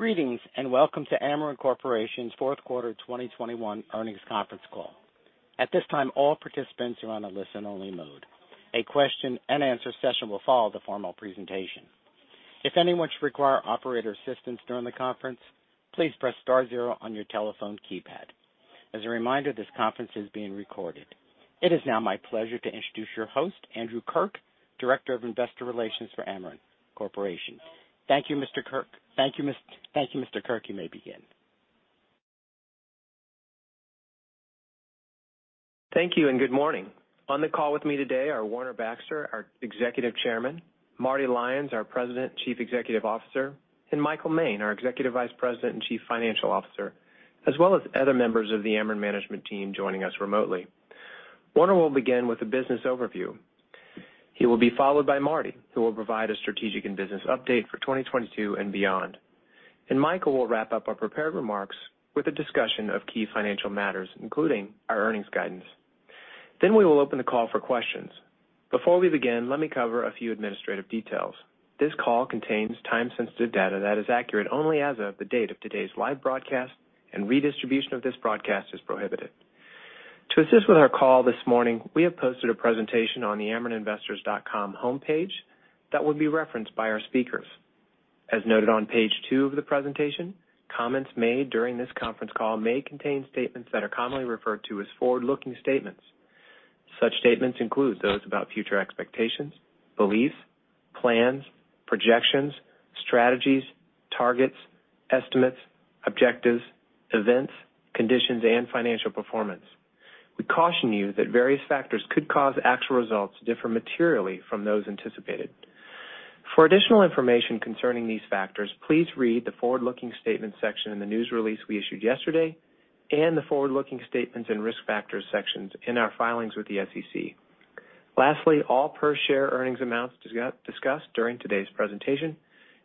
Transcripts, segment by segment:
Greetings, and welcome to Ameren Corporation's fourth quarter 2021 earnings conference call. At this time, all participants are on a listen-only mode. A question-and-answer session will follow the formal presentation. If anyone should require operator assistance during the conference, please press star zero on your telephone keypad. As a reminder, this conference is being recorded. It is now my pleasure to introduce your host, Andrew Kirk, Director of Investor Relations for Ameren Corporation. Thank you, Mr. Kirk. You may begin. Thank you, and good morning. On the call with me today are Warner Baxter, our Executive Chairman, Martin Lyons, our President and Chief Executive Officer, and Michael Moehn, our Executive Vice President and Chief Financial Officer, as well as other members of the Ameren management team joining us remotely. Warner will begin with a business overview. He will be followed by Martin, who will provide a strategic and business update for 2022 and beyond. Michael will wrap up our prepared remarks with a discussion of key financial matters, including our earnings guidance. We will open the call for questions. Before we begin, let me cover a few administrative details. This call contains time-sensitive data that is accurate only as of the date of today's live broadcast, and redistribution of this broadcast is prohibited. To assist with our call this morning, we have posted a presentation on the amereninvestors.com homepage that will be referenced by our speakers. As noted on page two of the presentation, comments made during this conference call may contain statements that are commonly referred to as forward-looking statements. Such statements include those about future expectations, beliefs, plans, projections, strategies, targets, estimates, objectives, events, conditions, and financial performance. We caution you that various factors could cause actual results to differ materially from those anticipated. For additional information concerning these factors, please read the Forward-Looking Statements section in the news release we issued yesterday and the Forward-Looking Statements and Risk Factors sections in our filings with the SEC. Lastly, all per-share earnings amounts discussed during today's presentation,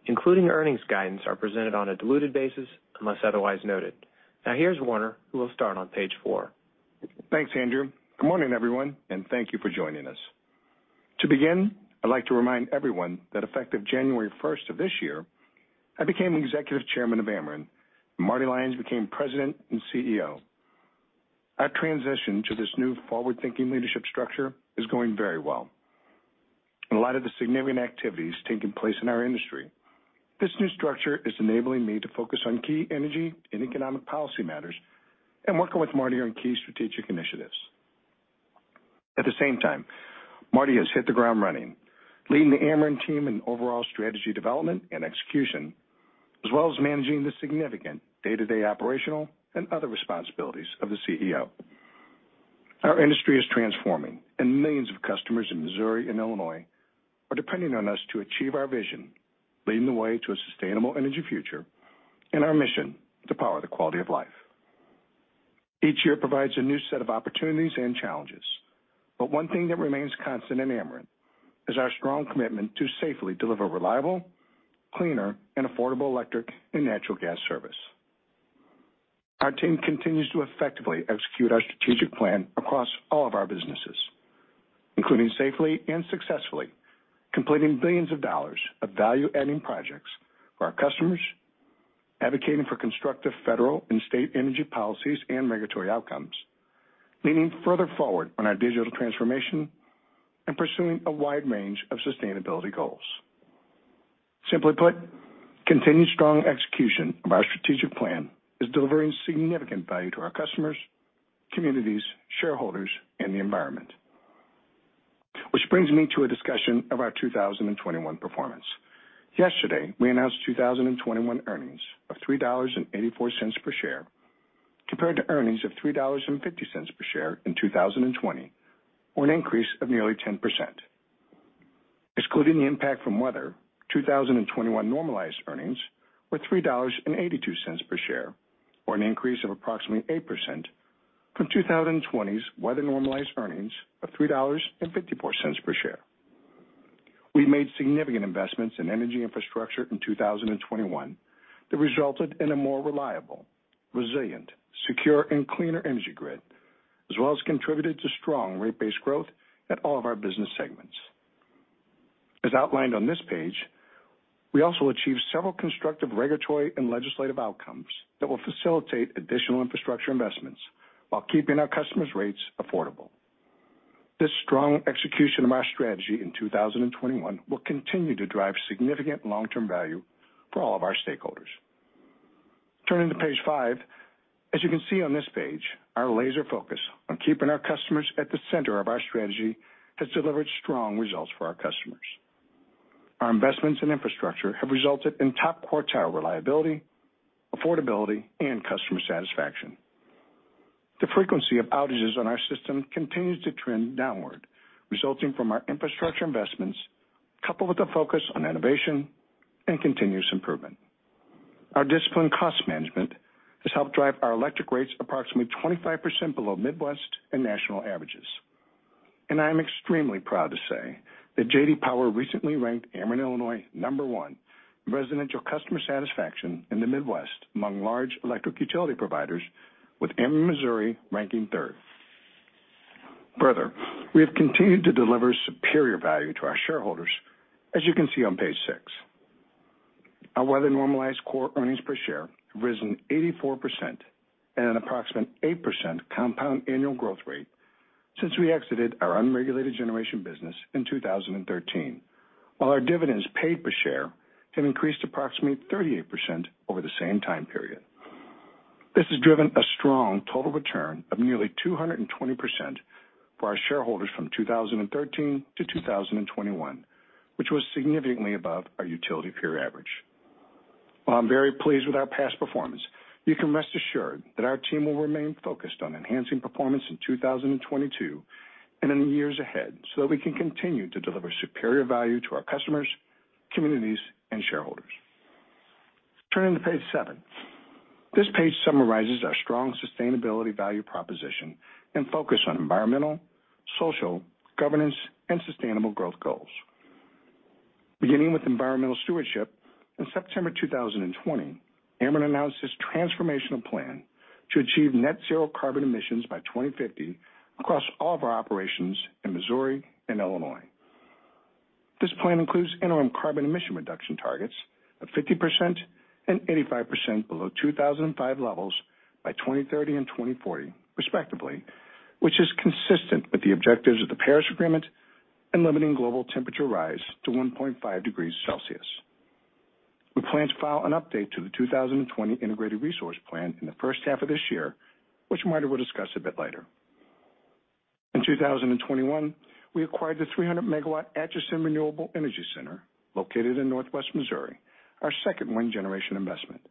including earnings guidance, are presented on a diluted basis, unless otherwise noted. Now, here's Warner, who will start on page four. Thanks, Andrew. Good morning, everyone, and thank you for joining us. To begin, I'd like to remind everyone that effective January first of this year, I became Executive Chairman of Ameren, and Martin Lyons became President and CEO. Our transition to this new forward-thinking leadership structure is going very well. In light of the significant activities taking place in our industry, this new structure is enabling me to focus on key energy and economic policy matters and working with Martin on key strategic initiatives. At the same time, Martin has hit the ground running, leading the Ameren team in overall strategy development and execution, as well as managing the significant day-to-day operational and other responsibilities of the CEO. Our industry is transforming, and millions of customers in Missouri and Illinois are depending on us to achieve our vision, leading the way to a sustainable energy future and our mission to power the quality of life. Each year provides a new set of opportunities and challenges, but one thing that remains constant at Ameren is our strong commitment to safely deliver reliable, cleaner, and affordable electric and natural gas service. Our team continues to effectively execute our strategic plan across all of our businesses, including safely and successfully completing billions of dollars value-adding projects for our customers, advocating for constructive federal and state energy policies and regulatory outcomes, leaning further forward on our digital transformation, and pursuing a wide range of sustainability goals. Simply put, continued strong execution of our strategic plan is delivering significant value to our customers, communities, shareholders, and the environment. Which brings me to a discussion of our 2021 performance. Yesterday, we announced 2021 earnings of $3.84 per share, compared to earnings of $3.50 per share in 2020, or an increase of nearly 10%. Excluding the impact from weather, 2021 normalized earnings were $3.82 per share, or an increase of approximately 8% from 2020's weather-normalized earnings of $3.54 per share. We made significant investments in energy infrastructure in 2021 that resulted in a more reliable, resilient, secure, and cleaner energy grid, as well as contributed to strong rate-based growth at all of our business segments. As outlined on this page, we also achieved several constructive regulatory and legislative outcomes that will facilitate additional infrastructure investments while keeping our customers' rates affordable. This strong execution of our strategy in 2021 will continue to drive significant long-term value for all of our stakeholders. Turning to page five, as you can see on this page, our laser focus on keeping our customers at the center of our strategy has delivered strong results for our customers. Our investments in infrastructure have resulted in top-quartile reliability, affordability, and customer satisfaction. The frequency of outages on our system continues to trend downward, resulting from our infrastructure investments, coupled with a focus on innovation and continuous improvement. Our disciplined cost management has helped drive our electric rates approximately 25% below Midwest and national averages. I am extremely proud to say that J.D. Power recently ranked Ameren Illinois number one in residential customer satisfaction in the Midwest among large electric utility providers, with Ameren Missouri ranking third. Further, we have continued to deliver superior value to our shareholders, as you can see on page six. Our weather-normalized core earnings per share have risen 84% at an approximate 8% compound annual growth rate since we exited our unregulated generation business in 2013, while our dividends paid per share have increased approximately 38% over the same time period. This has driven a strong total return of nearly 220% for our shareholders from 2013 to 2021, which was significantly above our utility peer average. While I'm very pleased with our past performance, you can rest assured that our team will remain focused on enhancing performance in 2022 and in the years ahead, so that we can continue to deliver superior value to our customers, communities, and shareholders. Turning to page seven. This page summarizes our strong sustainability value proposition and focus on environmental, social, governance, and sustainable growth goals. Beginning with environmental stewardship, in September 2020, Ameren announced this transformational plan to achieve net zero carbon emissions by 2050 across all of our operations in Missouri and Illinois. This plan includes interim carbon emission reduction targets of 50% and 85% below 2005 levels by 2030 and 2040, respectively, which is consistent with the objectives of the Paris Agreement in limiting global temperature rise to 1.5°C. We plan to file an update to the 2020 integrated resource plan in the first half of this year, which Martin will discuss a bit later. In 2021, we acquired the 300 MW Atchison Renewable Energy Center located in Northwest Missouri, our second wind generation investment.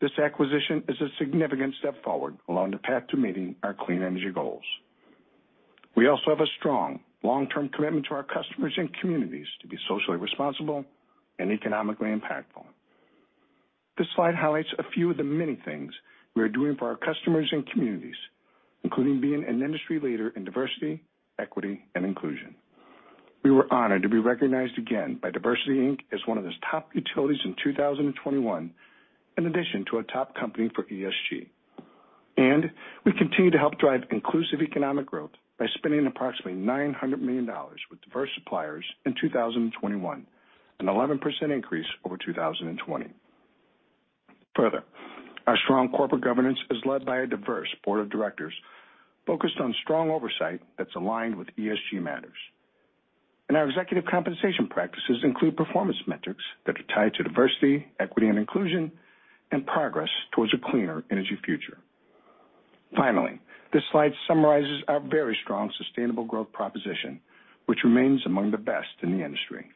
This acquisition is a significant step forward along the path to meeting our clean energy goals. We also have a strong long-term commitment to our customers and communities to be socially responsible and economically impactful. This slide highlights a few of the many things we are doing for our customers and communities, including being an industry leader in diversity, equity, and inclusion. We were honored to be recognized again by DiversityInc as one of its top utilities in 2021, in addition to a top company for ESG. We continue to help drive inclusive economic growth by spending approximately $900 million with diverse suppliers in 2021, an 11% increase over 2020. Further, our strong corporate governance is led by a diverse board of directors focused on strong oversight that's aligned with ESG matters. Our executive compensation practices include performance metrics that are tied to diversity, equity, and inclusion and progress towards a cleaner energy future. Finally, this slide summarizes our very strong sustainable growth proposition, which remains among the best in the industry.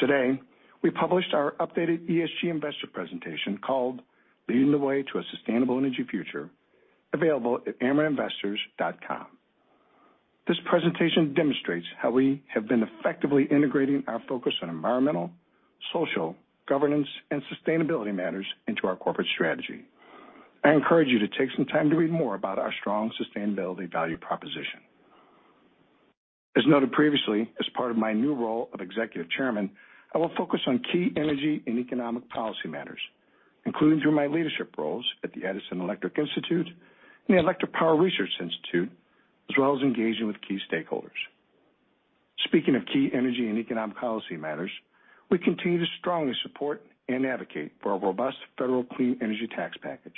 Today, we published our updated ESG investor presentation called Leading the Way to a Sustainable Energy Future, available at amereninvestors.com. This presentation demonstrates how we have been effectively integrating our focus on environmental, social, governance, and sustainability matters into our corporate strategy. I encourage you to take some time to read more about our strong sustainability value proposition. As noted previously, as part of my new role of Executive Chairman, I will focus on key energy and economic policy matters, including through my leadership roles at the Edison Electric Institute and the Electric Power Research Institute, as well as engaging with key stakeholders. Speaking of key energy and economic policy matters, we continue to strongly support and advocate for a robust federal clean energy tax package.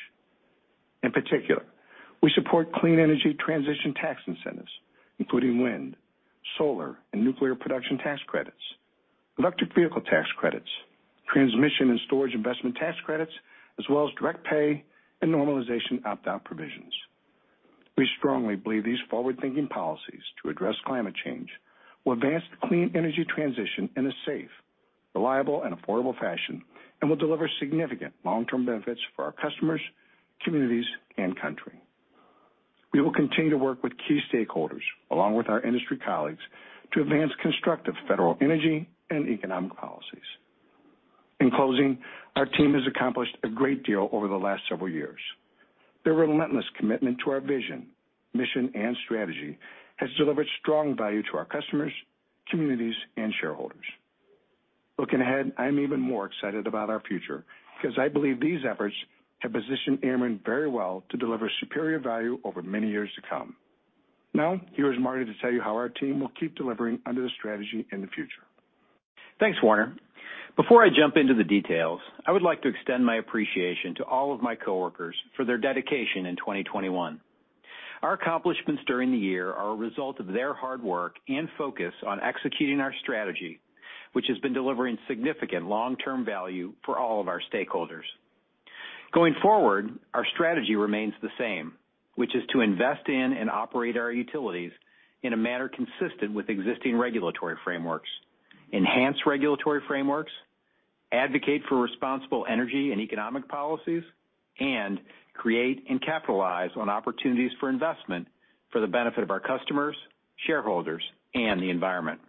In particular, we support clean energy transition tax incentives, including wind, solar, and nuclear production tax credits, electric vehicle tax credits, transmission and storage investment tax credits, as well as direct pay and normalization opt-out provisions. We strongly believe these forward-thinking policies to address climate change will advance the clean energy transition in a safe, reliable, and affordable fashion and will deliver significant long-term benefits for our customers, communities, and country. We will continue to work with key stakeholders, along with our industry colleagues, to advance constructive federal energy and economic policies. In closing, our team has accomplished a great deal over the last several years. Their relentless commitment to our vision, mission, and strategy has delivered strong value to our customers, communities, and shareholders. Looking ahead, I'm even more excited about our future because I believe these efforts have positioned Ameren very well to deliver superior value over many years to come. Now, here's Martin to tell you how our team will keep delivering under the strategy in the future. Thanks, Warner. Before I jump into the details, I would like to extend my appreciation to all of my coworkers for their dedication in 2021. Our accomplishments during the year are a result of their hard work and focus on executing our strategy, which has been delivering significant long-term value for all of our stakeholders. Going forward, our strategy remains the same, which is to invest in and operate our utilities in a manner consistent with existing regulatory frameworks, enhance regulatory frameworks, advocate for responsible energy and economic policies, and create and capitalize on opportunities for investment for the benefit of our customers, shareholders, and the environment.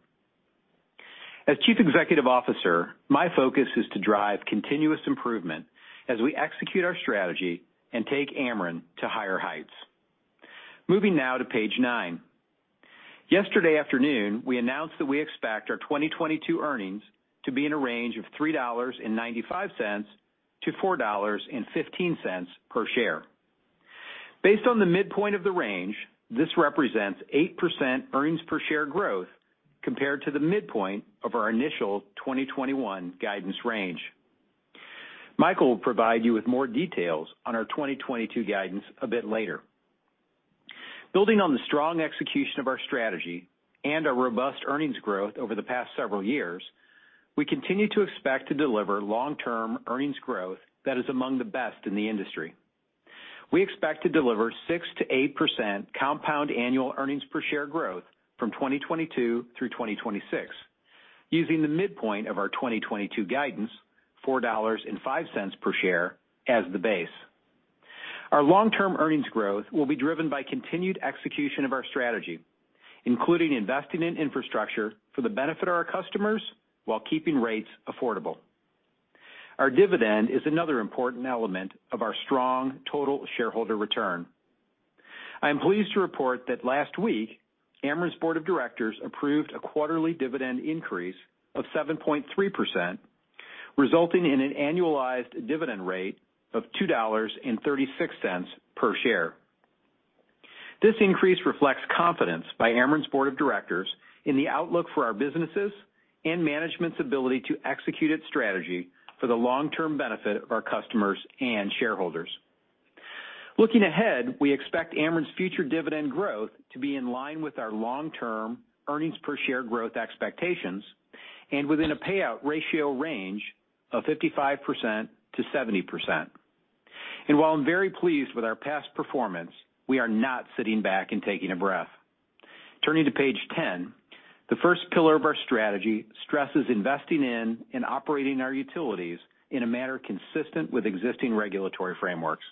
As Chief Executive Officer, my focus is to drive continuous improvement as we execute our strategy and take Ameren to higher heights. Moving now to page nine. Yesterday afternoon, we announced that we expect our 2022 earnings to be in a range of $3.95-$4.15 per share. Based on the midpoint of the range, this represents 8% earnings per share growth compared to the midpoint of our initial 2021 guidance range. Michael will provide you with more details on our 2022 guidance a bit later. Building on the strong execution of our strategy and our robust earnings growth over the past several years, we continue to expect to deliver long-term earnings growth that is among the best in the industry. We expect to deliver 6%-8% compound annual earnings per share growth from 2022 through 2026 using the midpoint of our 2022 guidance, $4.05 per share, as the base. Our long-term earnings growth will be driven by continued execution of our strategy, including investing in infrastructure for the benefit of our customers while keeping rates affordable. Our dividend is another important element of our strong total shareholder return. I am pleased to report that last week, Ameren's board of directors approved a quarterly dividend increase of 7.3%, resulting in an annualized dividend rate of $2.36 per share. This increase reflects confidence by Ameren's board of directors in the outlook for our businesses and management's ability to execute its strategy for the long-term benefit of our customers and shareholders. Looking ahead, we expect Ameren's future dividend growth to be in line with our long-term earnings per share growth expectations and within a payout ratio range of 55%-70%. While I'm very pleased with our past performance, we are not sitting back and taking a breath. Turning to page 10, the first pillar of our strategy stresses investing in and operating our utilities in a manner consistent with existing regulatory frameworks.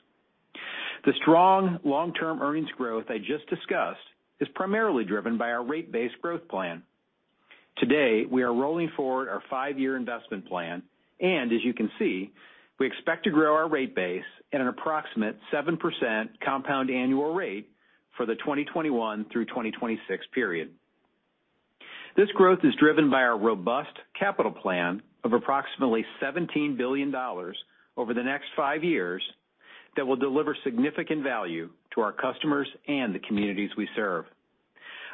The strong long-term earnings growth I just discussed is primarily driven by our rate base growth plan. Today, we are rolling forward our five-year investment plan, and as you can see, we expect to grow our rate base at an approximate 7% compound annual rate for the 2021 through 2026 period. This growth is driven by our robust capital plan of approximately $17 billion over the next five years that will deliver significant value to our customers and the communities we serve.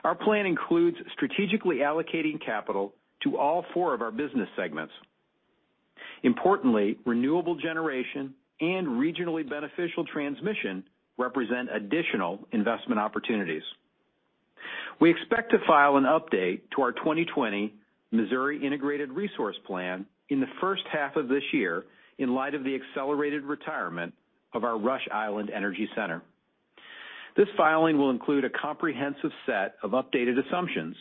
Our plan includes strategically allocating capital to all four of our business segments. Importantly, renewable generation and regionally beneficial transmission represent additional investment opportunities. We expect to file an update to our 2020 Missouri Integrated Resource Plan in the first half of this year in light of the accelerated retirement of our Rush Island Energy Center. This filing will include a comprehensive set of updated assumptions,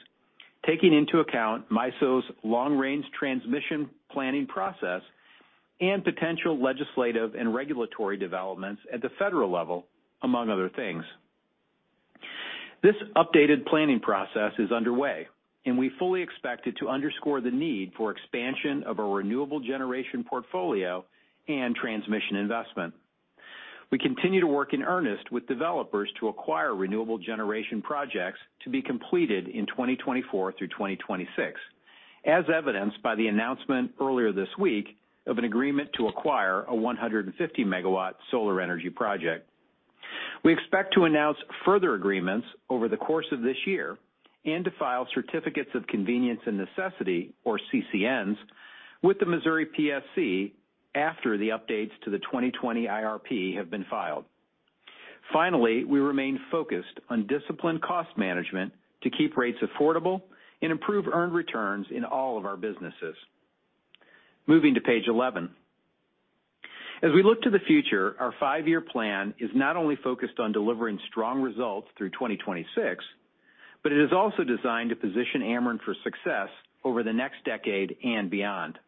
taking into account MISO's long-range transmission planning process and potential legislative and regulatory developments at the federal level, among other things. This updated planning process is underway, and we fully expect it to underscore the need for expansion of our renewable generation portfolio and transmission investment. We continue to work in earnest with developers to acquire renewable generation projects to be completed in 2024 through 2026, as evidenced by the announcement earlier this week of an agreement to acquire a 150MW solar energy project. We expect to announce further agreements over the course of this year and to file certificates of convenience and necessity, or CCNs, with the Missouri PSC after the updates to the 2020 IRP have been filed. Finally, we remain focused on disciplined cost management to keep rates affordable and improve earned returns in all of our businesses. Moving to page 11. As we look to the future, our five-year plan is not only focused on delivering strong results through 2026, but it is also designed to position Ameren for success over the next decade and beyond.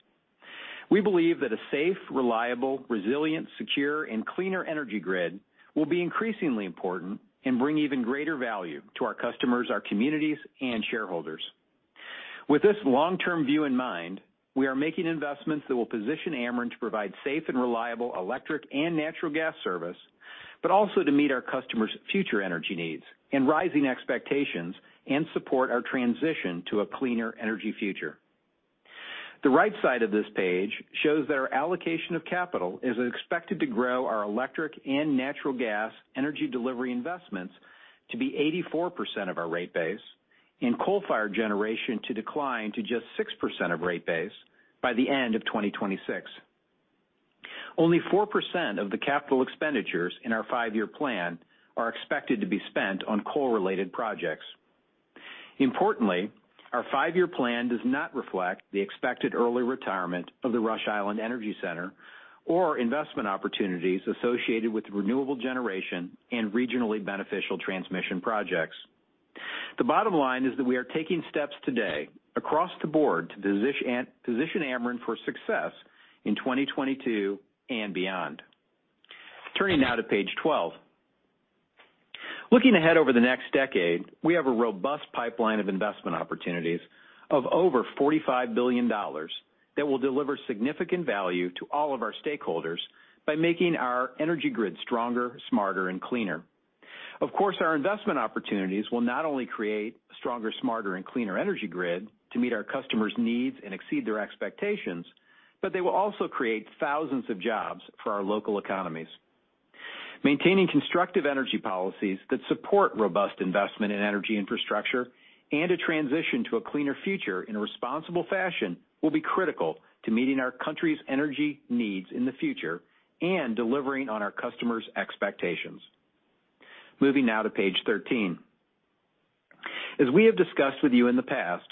We believe that a safe, reliable, resilient, secure, and cleaner energy grid will be increasingly important and bring even greater value to our customers, our communities, and shareholders. With this long-term view in mind, we are making investments that will position Ameren to provide safe and reliable electric and natural gas service, but also to meet our customers' future energy needs and rising expectations and support our transition to a cleaner energy future. The right side of this page shows that our allocation of capital is expected to grow our electric and natural gas energy delivery investments to be 84% of our rate base and coal-fired generation to decline to just 6% of rate base by the end of 2026. Only 4% of the capital expenditures in our five-year plan are expected to be spent on coal-related projects. Importantly, our five-year plan does not reflect the expected early retirement of the Rush Island Energy Center or investment opportunities associated with renewable generation and regionally beneficial transmission projects. The bottom line is that we are taking steps today across the board to position Ameren for success in 2022 and beyond. Turning now to page 12. Looking ahead over the next decade, we have a robust pipeline of investment opportunities of over $45 billion that will deliver significant value to all of our stakeholders by making our energy grid stronger, smarter, and cleaner. Of course, our investment opportunities will not only create stronger, smarter, and cleaner energy grid to meet our customers' needs and exceed their expectations, but they will also create thousands of jobs for our local economies. Maintaining constructive energy policies that support robust investment in energy infrastructure and a transition to a cleaner future in a responsible fashion will be critical to meeting our country's energy needs in the future and delivering on our customers' expectations. Moving now to page 13. As we have discussed with you in the past,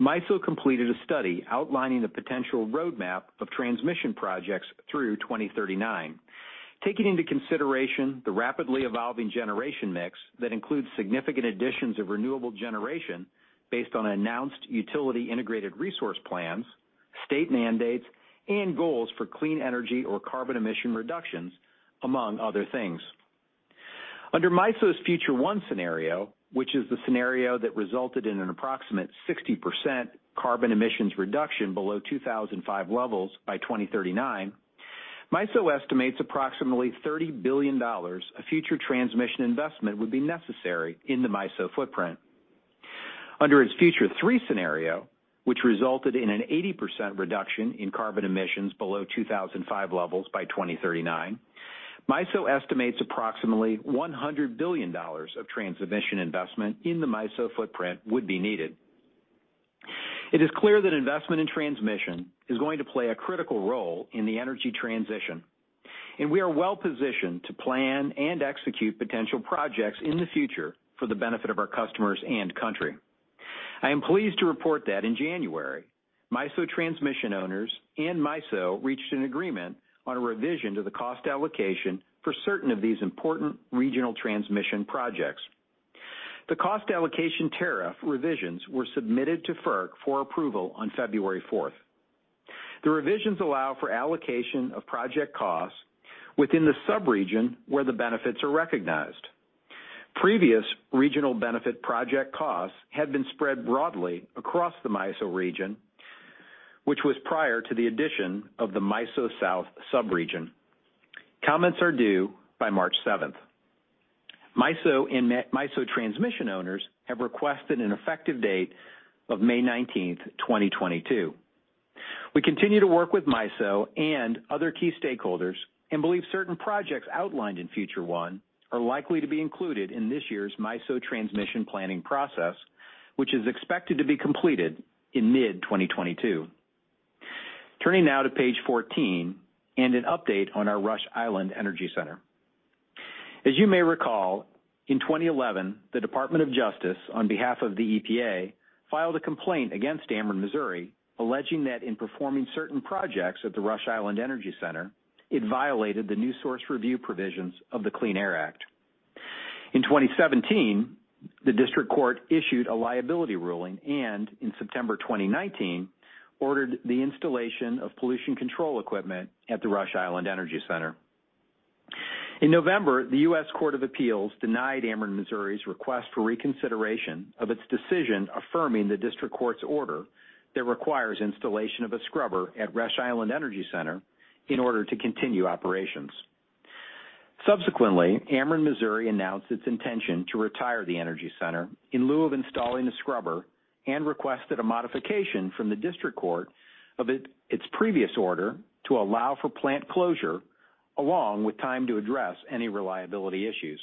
MISO completed a study outlining the potential roadmap of transmission projects through 2039, taking into consideration the rapidly evolving generation mix that includes significant additions of renewable generation based on announced utility integrated resource plans, state mandates, and goals for clean energy or carbon emission reductions, among other things. Under MISO's Future One scenario, which is the scenario that resulted in an approximate 60% carbon emissions reduction below 2005 levels by 2039, MISO estimates approximately $30 billion of future transmission investment would be necessary in the MISO footprint. Under its Future Three scenario, which resulted in an 80% reduction in carbon emissions below 2005 levels by 2039, MISO estimates approximately $100 billion of transmission investment in the MISO footprint would be needed. It is clear that investment in transmission is going to play a critical role in the energy transition, and we are well-positioned to plan and execute potential projects in the future for the benefit of our customers and country. I am pleased to report that in January, MISO transmission owners and MISO reached an agreement on a revision to the cost allocation for certain of these important regional transmission projects. The cost allocation tariff revisions were submitted to FERC for approval on February 4th. The revisions allow for allocation of project costs within the sub-region where the benefits are recognized. Previous regional benefit project costs had been spread broadly across the MISO region, which was prior to the addition of the MISO South sub-region. Comments are due by March 7th. MISO and MISO transmission owners have requested an effective date of May 19th, 2022. We continue to work with MISO and other key stakeholders and believe certain projects outlined in Future One are likely to be included in this year's MISO transmission planning process, which is expected to be completed in mid-2022. Turning now to page 14 and an update on our Rush Island Energy Center. As you may recall, in 2011, the Department of Justice, on behalf of the EPA, filed a complaint against Ameren Missouri, alleging that in performing certain projects at the Rush Island Energy Center, it violated the New Source Review provisions of the Clean Air Act. In 2017, the district court issued a liability ruling, and in September 2019, ordered the installation of pollution control equipment at the Rush Island Energy Center. In November, the U.S. Court of Appeals denied Ameren Missouri's request for reconsideration of its decision affirming the district court's order that requires installation of a scrubber at Rush Island Energy Center in order to continue operations. Subsequently, Ameren Missouri announced its intention to retire the energy center in lieu of installing the scrubber and requested a modification from the district court of its previous order to allow for plant closure along with time to address any reliability issues.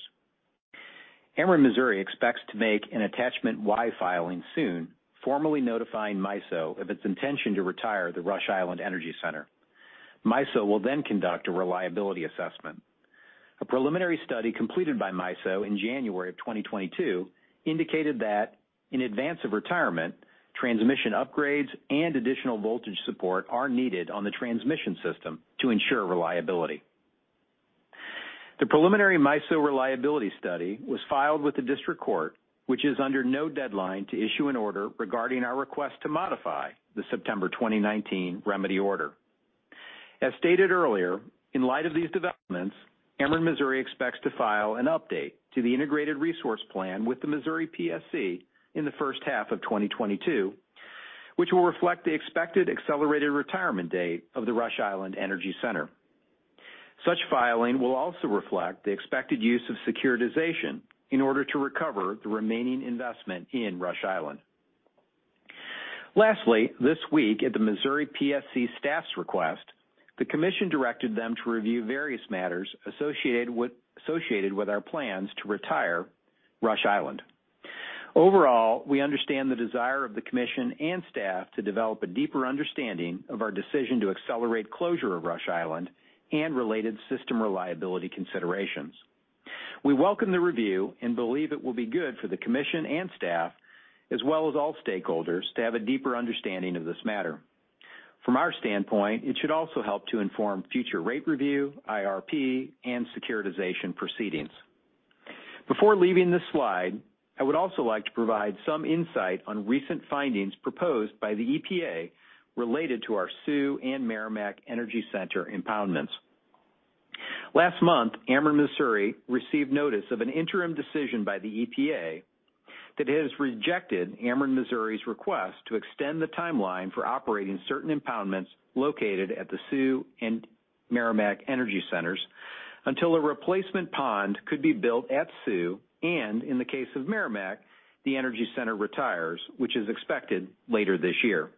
Ameren Missouri expects to make an Attachment Y filing soon, formally notifying MISO of its intention to retire the Rush Island Energy Center. MISO will then conduct a reliability assessment. A preliminary study completed by MISO in January 2022 indicated that in advance of retirement, transmission upgrades and additional voltage support are needed on the transmission system to ensure reliability. The preliminary MISO reliability study was filed with the district court, which is under no deadline to issue an order regarding our request to modify the September 2019 remedy order. As stated earlier, in light of these developments, Ameren Missouri expects to file an update to the integrated resource plan with the Missouri PSC in the first half of 2022, which will reflect the expected accelerated retirement date of the Rush Island Energy Center. Such filing will also reflect the expected use of securitization in order to recover the remaining investment in Rush Island. Lastly, this week at the Missouri PSC staff's request, the commission directed them to review various matters associated with our plans to retire Rush Island. Overall, we understand the desire of the commission and staff to develop a deeper understanding of our decision to accelerate closure of Rush Island and related system reliability considerations. We welcome the review and believe it will be good for the commission and staff, as well as all stakeholders, to have a deeper understanding of this matter. From our standpoint, it should also help to inform future rate review, IRP, and securitization proceedings. Before leaving this slide, I would also like to provide some insight on recent findings proposed by the EPA related to our Sioux and Meramec Energy Center impoundments. Last month, Ameren Missouri received notice of an interim decision by the EPA. That it has rejected Ameren Missouri's request to extend the timeline for operating certain impoundments located at the Sioux Energy Center and Meramec Energy Center until a replacement pond could be built at Sioux, and in the case of Meramec, the energy center retires, which is expected later this year.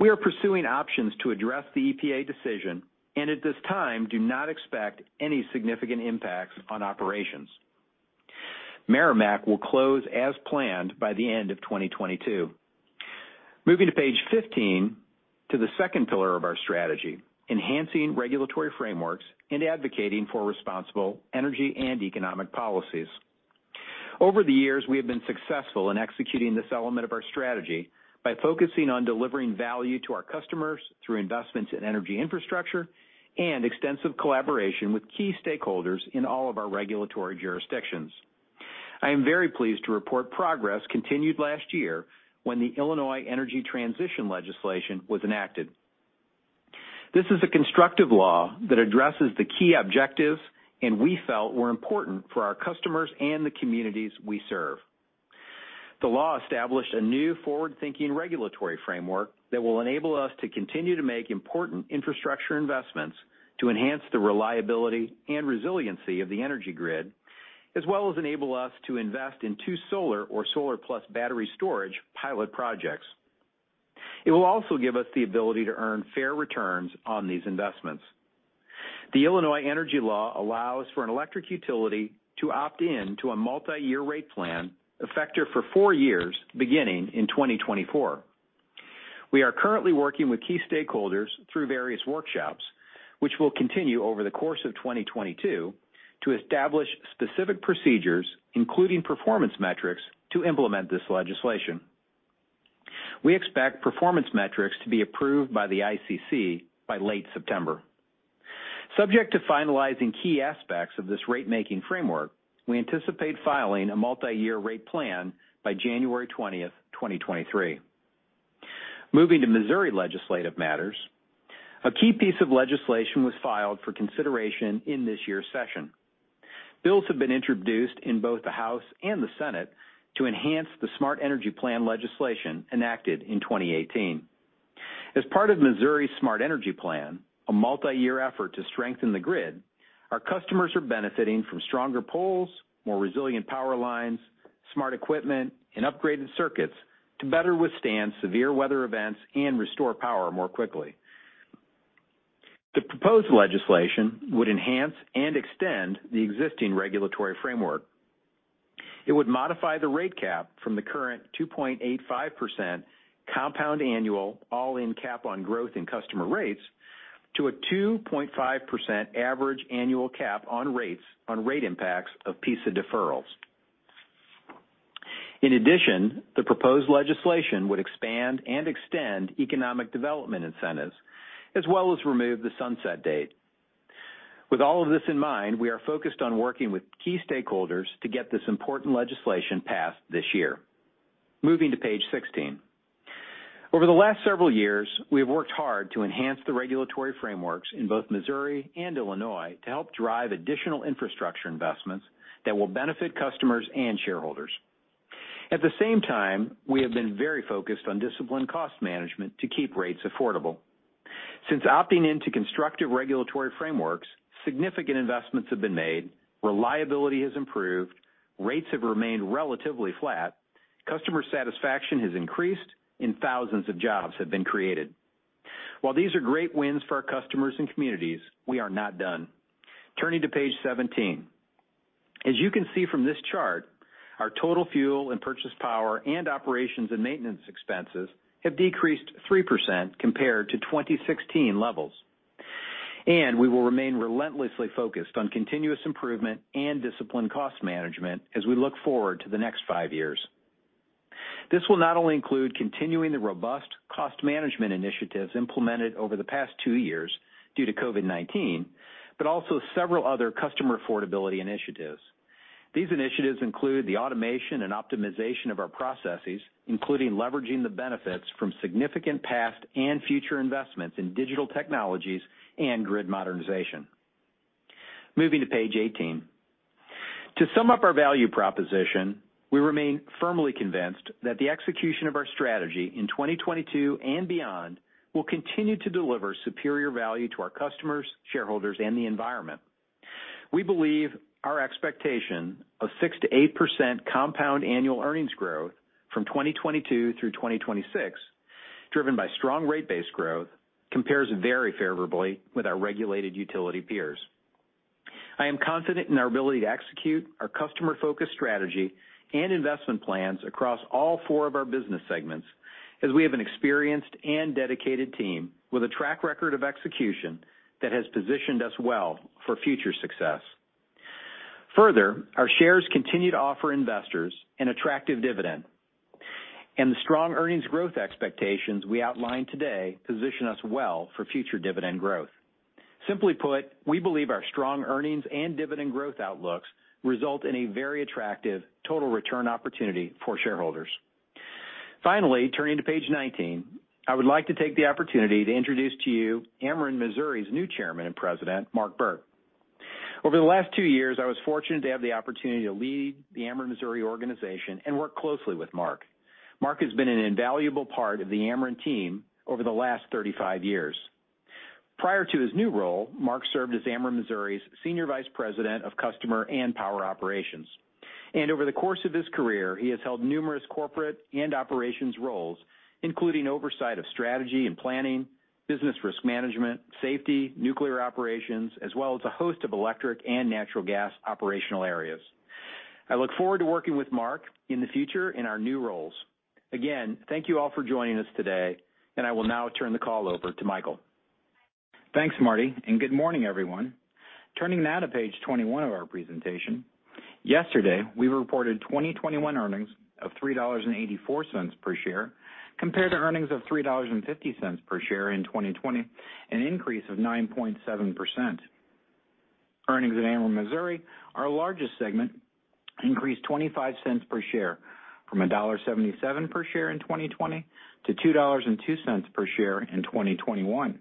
We are pursuing options to address the EPA decision, and at this time, do not expect any significant impacts on operations. Meramec Energy Center will close as planned by the end of 2022. Moving to page 15, to the second pillar of our strategy, enhancing regulatory frameworks and advocating for responsible energy and economic policies. Over the years, we have been successful in executing this element of our strategy by focusing on delivering value to our customers through investments in energy infrastructure and extensive collaboration with key stakeholders in all of our regulatory jurisdictions. I am very pleased to report progress continued last year when the Climate and Equitable Jobs Act was enacted. This is a constructive law that addresses the key objectives, and we felt were important for our customers and the communities we serve. The law established a new forward-thinking regulatory framework that will enable us to continue to make important infrastructure investments to enhance the reliability and resiliency of the energy grid, as well as enable us to invest in two solar or solar plus battery storage pilot projects. It will also give us the ability to earn fair returns on these investments. The Illinois Energy Law allows for an electric utility to opt in to a multiyear rate plan effective for four years, beginning in 2024. We are currently working with key stakeholders through various workshops, which will continue over the course of 2022 to establish specific procedures, including performance metrics to implement this legislation. We expect performance metrics to be approved by the ICC by late September. Subject to finalizing key aspects of this rate-making framework, we anticipate filing a multiyear rate plan by January 20th, 2023. Moving to Missouri legislative matters. A key piece of legislation was filed for consideration in this year's session. Bills have been introduced in both the House and the Senate to enhance the Smart Energy Plan legislation enacted in 2018. As part of Missouri's Smart Energy Plan, a multiyear effort to strengthen the grid, our customers are benefiting from stronger poles, more resilient power lines, smart equipment, and upgraded circuits to better withstand severe weather events and restore power more quickly. The proposed legislation would enhance and extend the existing regulatory framework. It would modify the rate cap from the current 2.85% compound annual all-in cap on growth in customer rates to a 2.5% average annual cap on rates on rate impacts of PISA deferrals. In addition, the proposed legislation would expand and extend economic development incentives, as well as remove the sunset date. With all of this in mind, we are focused on working with key stakeholders to get this important legislation passed this year. Moving to page 16. Over the last several years, we have worked hard to enhance the regulatory frameworks in both Missouri and Illinois to help drive additional infrastructure investments that will benefit customers and shareholders. At the same time, we have been very focused on disciplined cost management to keep rates affordable. Since opting into constructive regulatory frameworks, significant investments have been made, reliability has improved, rates have remained relatively flat, customer satisfaction has increased, and thousands of jobs have been created. While these are great wins for our customers and communities, we are not done. Turning to page 17. As you can see from this chart, our total fuel and purchase power and operations and maintenance expenses have decreased 3% compared to 2016 levels, and we will remain relentlessly focused on continuous improvement and disciplined cost management as we look forward to the next five years. This will not only include continuing the robust cost management initiatives implemented over the past two years due to COVID-19, but also several other customer affordability initiatives. These initiatives include the automation and optimization of our processes, including leveraging the benefits from significant past and future investments in digital technologies and grid modernization. Moving to page 18. To sum up our value proposition, we remain firmly convinced that the execution of our strategy in 2022 and beyond will continue to deliver superior value to our customers, shareholders, and the environment. We believe our expectation of 6%-8% compound annual earnings growth from 2022 through 2026, driven by strong rate-based growth, compares very favorably with our regulated utility peers. I am confident in our ability to execute our customer-focused strategy and investment plans across all four of our business segments as we have an experienced and dedicated team with a track record of execution that has positioned us well for future success. Further, our shares continue to offer investors an attractive dividend, and the strong earnings growth expectations we outlined today position us well for future dividend growth. Simply put, we believe our strong earnings and dividend growth outlooks result in a very attractive total return opportunity for shareholders. Finally, turning to page 19, I would like to take the opportunity to introduce to you Ameren Missouri's new Chairman and President, Mark Birk. Over the last two years, I was fortunate to have the opportunity to lead the Ameren Missouri organization and work closely with Mark. Mark has been an invaluable part of the Ameren team over the last 35 years. Prior to his new role, Mark served as Ameren Missouri's Senior Vice President of Customer and Power Operations. Over the course of his career, he has held numerous corporate and operations roles, including oversight of strategy and planning, business risk management, safety, nuclear operations, as well as a host of electric and natural gas operational areas. I look forward to working with Mark in the future in our new roles. Again, thank you all for joining us today, and I will now turn the call over to Michael. Thanks, Martin, and good morning, everyone. Turning now to page 21 of our presentation. Yesterday, we reported 2021 earnings of $3.84 per share compared to earnings of $3.50 per share in 2020, an increase of 9.7%. Earnings at Ameren Missouri, our largest segment, increased $0.25 per share from $1.77 per share in 2020 to $2.02 per share in 2021.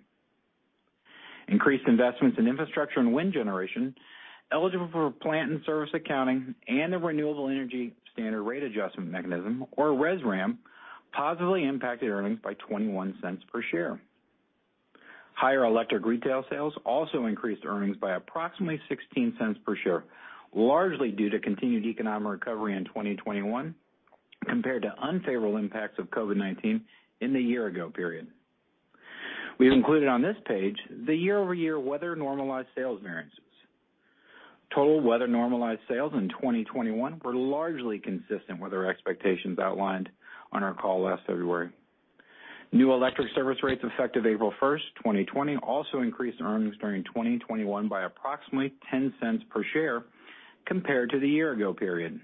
Increased investments in infrastructure and wind generation eligible for plant and service accounting and the Renewable Energy Standard Rate Adjustment Mechanism, or RESRAM, positively impacted earnings by $0.21 per share. Higher electric retail sales also increased earnings by approximately $0.16 per share, largely due to continued economic recovery in 2021 compared to unfavorable impacts of COVID-19 in the year ago period. We've included on this page the year-over-year weather normalized sales variances. Total weather normalized sales in 2021 were largely consistent with our expectations outlined on our call last February. New electric service rates effective April 1st, 2020, also increased earnings during 2021 by approximately $0.10 per share compared to the year ago period.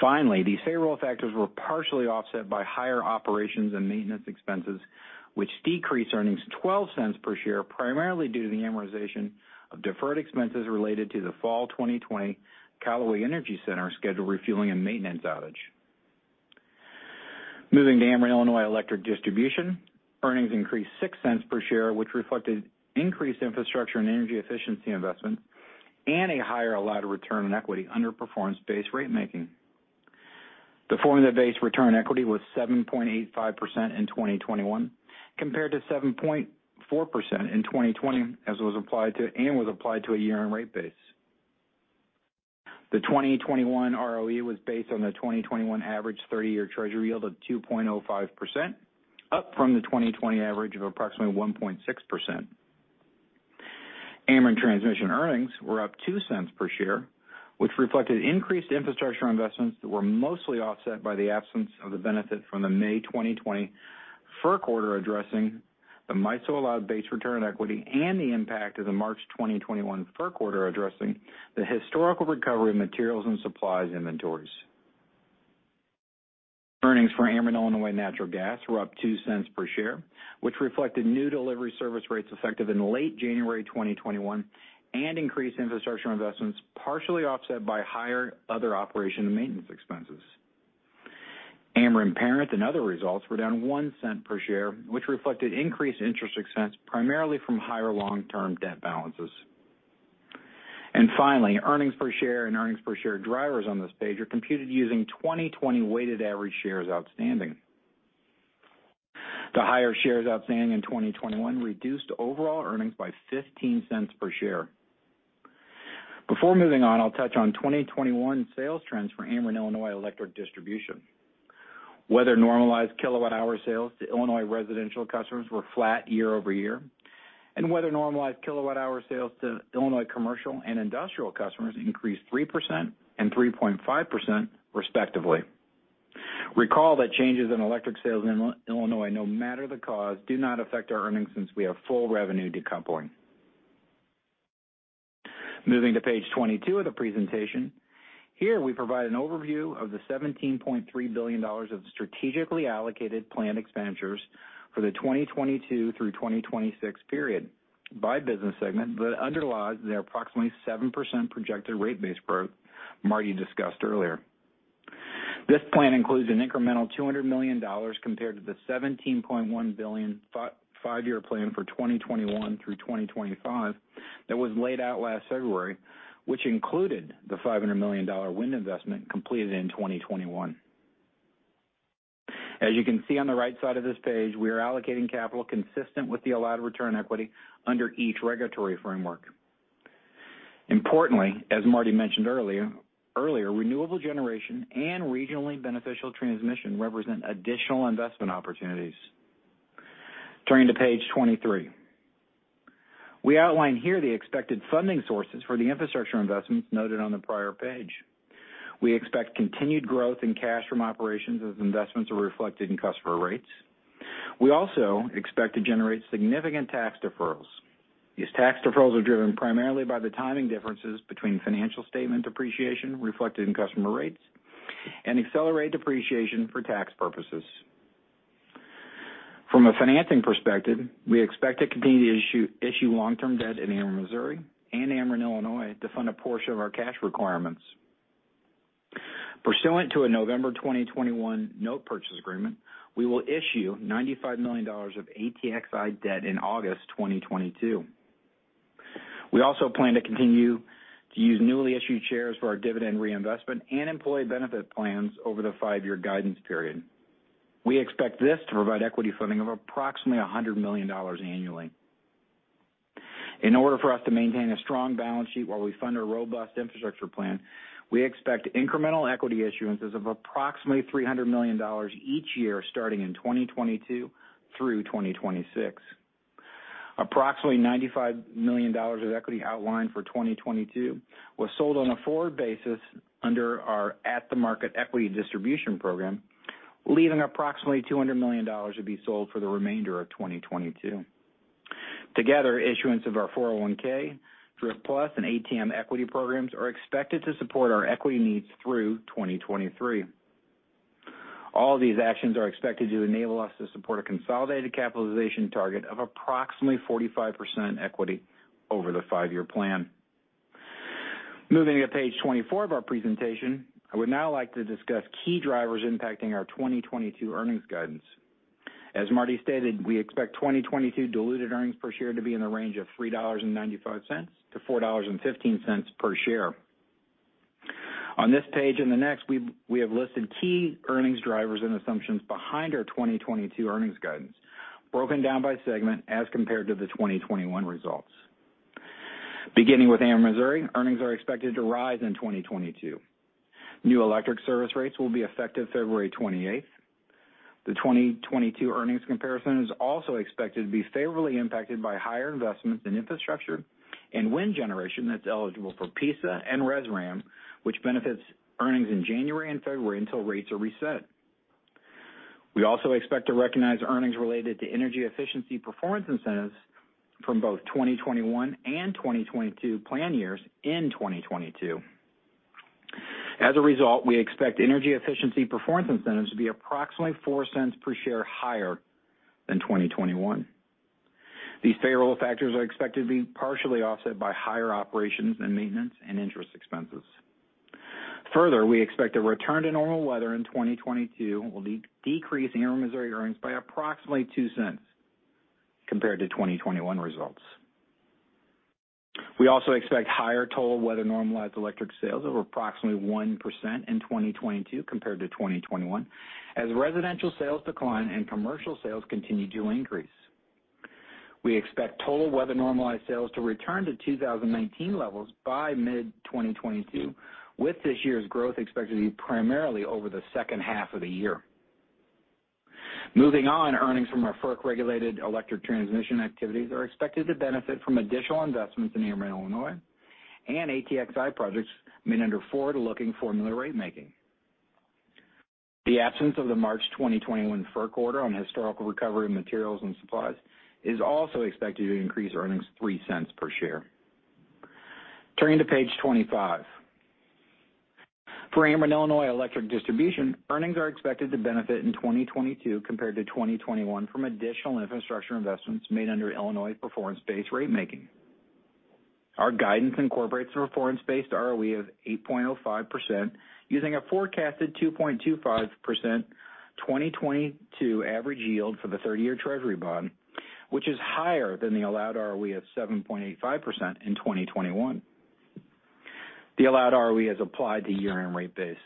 Finally, these favorable factors were partially offset by higher operations and maintenance expenses, which decreased earnings $0.12 per share, primarily due to the amortization of deferred expenses related to the fall 2020 Callaway Energy Center scheduled refueling and maintenance outage. Moving to Ameren Illinois Electric Distribution, earnings increased $0.06 per share, which reflected increased infrastructure and energy efficiency investments and a higher allowed return on equity under performance-based rate making. The formula-based return on equity was 7.85% in 2021, compared to 7.4% in 2020, as it was applied to a year-end rate base. The 2021 ROE was based on the 2021 average 30-year Treasury yield of 2.05%, up from the 2020 average of approximately 1.6%. Ameren Transmission earnings were up $0.02 per share, which reflected increased infrastructure investments that were mostly offset by the absence of the benefit from the May 2020 FERC order addressing the MISO allowed base return on equity and the impact of the March 2021 FERC order addressing the historical recovery of materials and supplies inventories. Earnings for Ameren Illinois Natural Gas were up $0.02 per share, which reflected new delivery service rates effective in late January 2021 and increased infrastructure investments, partially offset by higher other operation and maintenance expenses. Ameren Parent and other results were down $0.01 per share, which reflected increased interest expense primarily from higher long-term debt balances. Finally, earnings per share and earnings per share drivers on this page are computed using 2020 weighted average shares outstanding. The higher shares outstanding in 2021 reduced overall earnings by $0.15 per share. Before moving on, I'll touch on 2021 sales trends for Ameren Illinois Electric Distribution. Weather normalized kilowatt-hour sales to Illinois residential customers were flat year-over-year, and weather normalized kilowatt-hour sales to Illinois commercial and industrial customers increased 3% and 3.5% respectively. Recall that changes in electric sales in Illinois, no matter the cause, do not affect our earnings since we have full revenue decoupling. Moving to page 22 of the presentation. Here we provide an overview of the $17.3 billion of strategically allocated planned expenditures for the 2022 through 2026 period by business segment that underlies the approximately 7% projected rate base growth Marty discussed earlier. This plan includes an incremental $200 million compared to the $17.1 billion five-year plan for 2021 through 2025 that was laid out last February, which included the $500 million wind investment completed in 2021. As you can see on the right side of this page, we are allocating capital consistent with the allowed return on equity under each regulatory framework. Importantly, as Martin mentioned earlier, renewable generation and regionally beneficial transmission represent additional investment opportunities. Turning to page 23. We outline here the expected funding sources for the infrastructure investments noted on the prior page. We expect continued growth in cash from operations as investments are reflected in customer rates. We also expect to generate significant tax deferrals. These tax deferrals are driven primarily by the timing differences between financial statement depreciation reflected in customer rates and accelerated depreciation for tax purposes. From a financing perspective, we expect to continue to issue long-term debt in Ameren Missouri and Ameren Illinois to fund a portion of our cash requirements. Pursuant to a November 2021 note purchase agreement, we will issue $95 million of ATXI debt in August 2022. We also plan to continue to use newly issued shares for our dividend reinvestment and employee benefit plans over the five-year guidance period. We expect this to provide equity funding of approximately $100 million annually. In order for us to maintain a strong balance sheet while we fund our robust infrastructure plan, we expect incremental equity issuances of approximately $300 million each year, starting in 2022 through 2026. Approximately $95 million of equity outlined for 2022 was sold on a forward basis under our at-the-market equity distribution program, leaving approximately $200 million to be sold for the remainder of 2022. Together, issuance of our 401K, DRPlus and ATM equity programs are expected to support our equity needs through 2023. All these actions are expected to enable us to support a consolidated capitalization target of approximately 45% equity over the five-year plan. Moving to page 24 of our presentation, I would now like to discuss key drivers impacting our 2022 earnings guidance. As Martin stated, we expect 2022 diluted earnings per share to be in the range of $3.95-$4.15 per share. On this page and the next, we have listed key earnings drivers and assumptions behind our 2022 earnings guidance, broken down by segment as compared to the 2021 results. Beginning with Ameren Missouri, earnings are expected to rise in 2022. New electric service rates will be effective February 28th. The 2022 earnings comparison is also expected to be favorably impacted by higher investments in infrastructure and wind generation that's eligible for PISA and RES-RAM, which benefits earnings in January and February until rates are reset. We also expect to recognize earnings related to energy efficiency performance incentives from both 2021 and 2022 plan years in 2022. As a result, we expect energy efficiency performance incentives to be approximately $0.04 per share higher than 2021. These favorable factors are expected to be partially offset by higher operations and maintenance and interest expenses. Further, we expect a return to normal weather in 2022 will decrease Ameren Missouri earnings by approximately $0.02 compared to 2021 results. We also expect higher total weather normalized electric sales of approximately 1% in 2022 compared to 2021 as residential sales decline and commercial sales continue to increase. We expect total weather normalized sales to return to 2019 levels by mid-2022, with this year's growth expected to be primarily over the second half of the year. Moving on, earnings from our FERC-regulated electric transmission activities are expected to benefit from additional investments in Ameren Illinois and ATXI projects made under forward-looking formula ratemaking. The absence of the March 2021 FERC order on historical recovery of materials and supplies is also expected to increase earnings $0.03 per share. Turning to page 25. For Ameren Illinois Electric Distribution, earnings are expected to benefit in 2022 compared to 2021 from additional infrastructure investments made under Illinois performance-based ratemaking. Our guidance incorporates a performance-based ROE of 8.05% using a forecasted 2.25% 2022 average yield for the 30-year treasury bond, which is higher than the allowed ROE of 7.85% in 2021. The allowed ROE is applied to year-end rate base.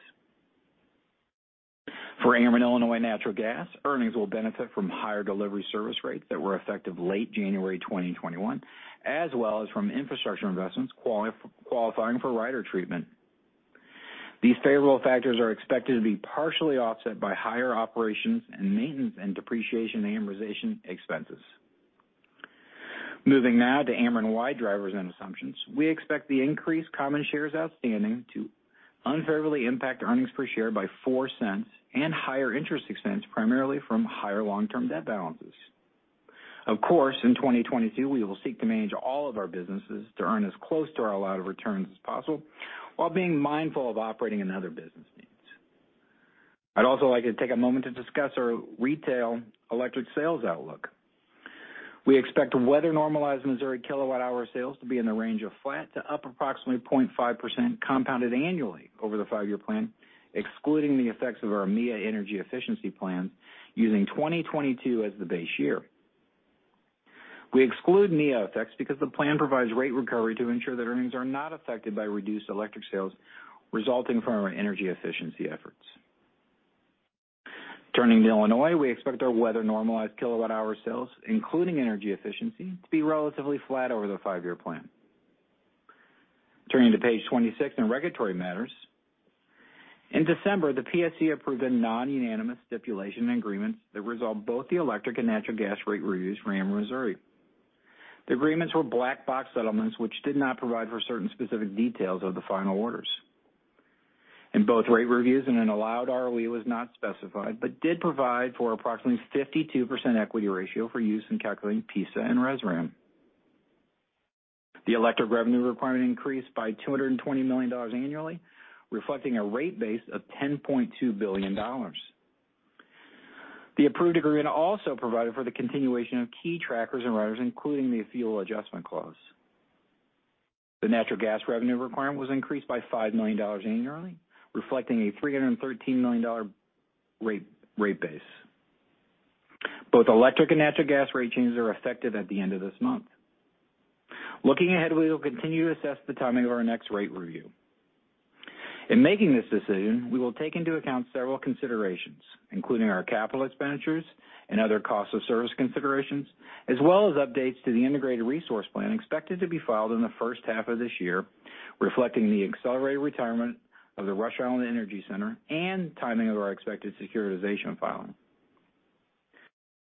For Ameren Illinois Natural Gas, earnings will benefit from higher delivery service rates that were effective late January 2021, as well as from infrastructure investments qualifying for rider treatment. These favorable factors are expected to be partially offset by higher operations and maintenance and depreciation and amortization expenses. Moving now to Ameren-wide drivers and assumptions. We expect the increased common shares outstanding to unfavorably impact earnings per share by $0.04 and higher interest expense, primarily from higher long-term debt balances. Of course, in 2022, we will seek to manage all of our businesses to earn as close to our allowed returns as possible while being mindful of operating in other business needs. I'd also like to take a moment to discuss our retail electric sales outlook. We expect weather-normalized Missouri kilowatt-hour sales to be in the range of flat to up approximately 0.5% compounded annually over the five-year plan, excluding the effects of our MEA energy efficiency plan using 2022 as the base year. We exclude MEA effects because the plan provides rate recovery to ensure that earnings are not affected by reduced electric sales resulting from our energy efficiency efforts. Turning to Illinois, we expect our weather-normalized kilowatt-hour sales, including energy efficiency, to be relatively flat over the five-year plan. Turning to page 26 in regulatory matters. In December, the PSC approved the non-unanimous stipulation and agreements that resolve both the electric and natural gas rate reviews for Ameren Missouri. The agreements were black box settlements, which did not provide for certain specific details of the final orders. In both rate reviews, an allowed ROE was not specified but did provide for approximately 52% equity ratio for use in calculating PISA and RESRAM. The electric revenue requirement increased by $220 million annually, reflecting a rate base of $10.2 billion. The approved agreement also provided for the continuation of key trackers and riders, including the Fuel Adjustment Clause. The natural gas revenue requirement was increased by $5 million annually, reflecting a $313 million rate base. Both electric and natural gas rate changes are effective at the end of this month. Looking ahead, we will continue to assess the timing of our next rate review. In making this decision, we will take into account several considerations, including our capital expenditures and other cost of service considerations, as well as updates to the integrated resource plan expected to be filed in the first half of this year, reflecting the accelerated retirement of the Rush Island Energy Center and timing of our expected securitization filing.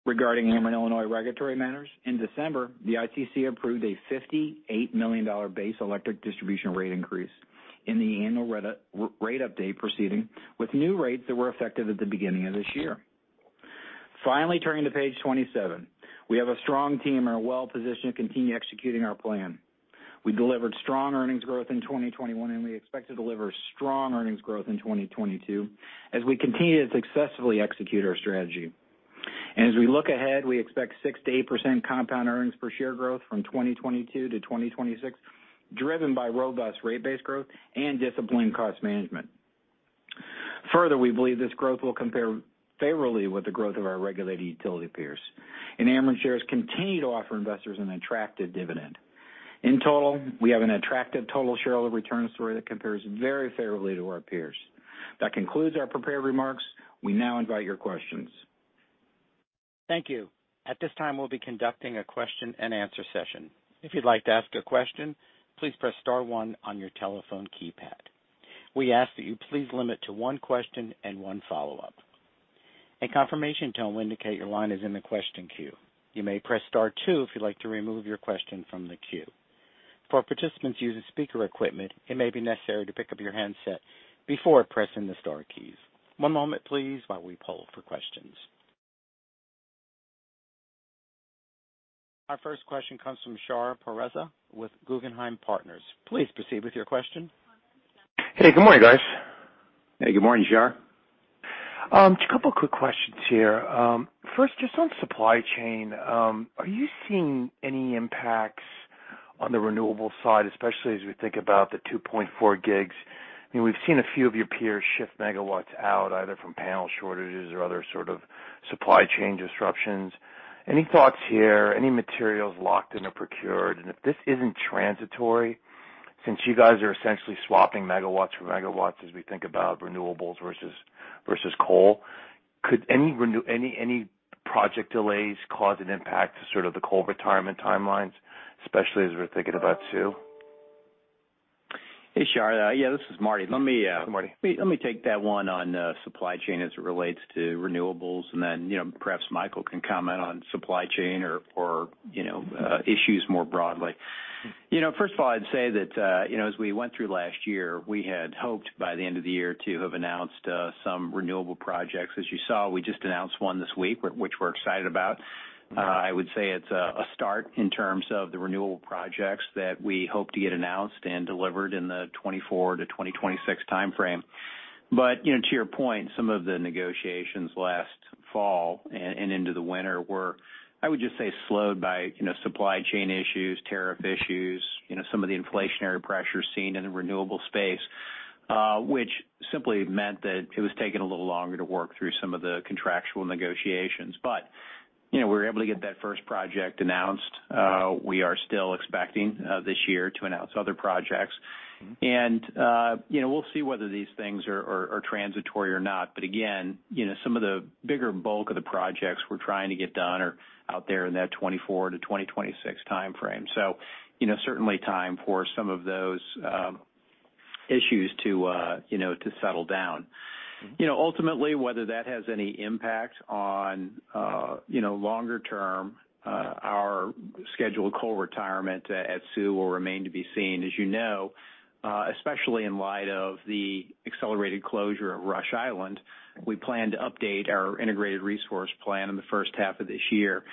Regarding Ameren Illinois regulatory matters, in December, the ICC approved a $58 million base electric distribution rate increase in the annual rider rate update proceeding with new rates that were effective at the beginning of this year. Finally turning to page 27. We have a strong team and are well-positioned to continue executing our plan. We delivered strong earnings growth in 2021, and we expect to deliver strong earnings growth in 2022 as we continue to successfully execute our strategy. As we look ahead, we expect 6%-8% compound earnings per share growth from 2022 to 2026, driven by robust rate base growth and disciplined cost management. Further, we believe this growth will compare favorably with the growth of our regulated utility peers, and Ameren shares continue to offer investors an attractive dividend. In total, we have an attractive total shareholder return story that compares very favorably to our peers. That concludes our prepared remarks. We now invite your questions. Thank you. At this time, we'll be conducting a question-and-answer session. If you'd like to ask a question, please press star one on your telephone keypad. We ask that you please limit to one question and one follow-up. A confirmation tone will indicate your line is in the question queue. You may press star two if you'd like to remove your question from the queue. For participants using speaker equipment, it may be necessary to pick up your handset before pressing the star keys. One moment please while we poll for questions. Our first question comes from Shar Pourreza with Guggenheim Partners. Please proceed with your question. Hey, good morning, guys. Hey, good morning, Shar. Just a couple of quick questions here. First, just on supply chain, are you seeing any impacts on the renewable side, especially as we think about the 2.4 gigs? I mean, we've seen a few of your peers shift megawatts out, either from panel shortages or other sort of supply chain disruptions. Any thoughts here? Any materials locked in or procured? If this isn't transitory, since you guys are essentially swapping megawatts for megawatts as we think about renewables versus coal, could any project delays cause an impact to sort of the coal retirement timelines, especially as we're thinking about Sioux? Hey, Shar. Yeah, this is Martin. Let me, Hi, Marty. Let me take that one on supply chain as it relates to renewables, and then, you know, perhaps Michael can comment on supply chain or, you know, issues more broadly. You know, first of all, I'd say that, you know, as we went through last year, we had hoped by the end of the year to have announced some renewable projects. As you saw, we just announced one this week, which we're excited about. I would say it's a start in terms of the renewable projects that we hope to get announced and delivered in the 2024 to 2026 timeframe. You know, to your point, some of the negotiations last fall and into the winter were, I would just say, slowed by, you know, supply chain issues, tariff issues, you know, some of the inflationary pressures seen in the renewable space, which simply meant that it was taking a little longer to work through some of the contractual negotiations. You know, we were able to get that first project announced. We are still expecting this year to announce other projects. Mm-hmm. You know, we'll see whether these things are transitory or not. Again, you know, some of the bigger bulk of the projects we're trying to get done are out there in that 2024-2026 timeframe. You know, certainly time for some of those issues to settle down. Mm-hmm. You know, ultimately, whether that has any impact on, you know, longer term, our scheduled coal retirement at Sioux will remain to be seen. As you know, especially in light of the accelerated closure of Rush Island, we plan to update our integrated resource plan in the first half of this year.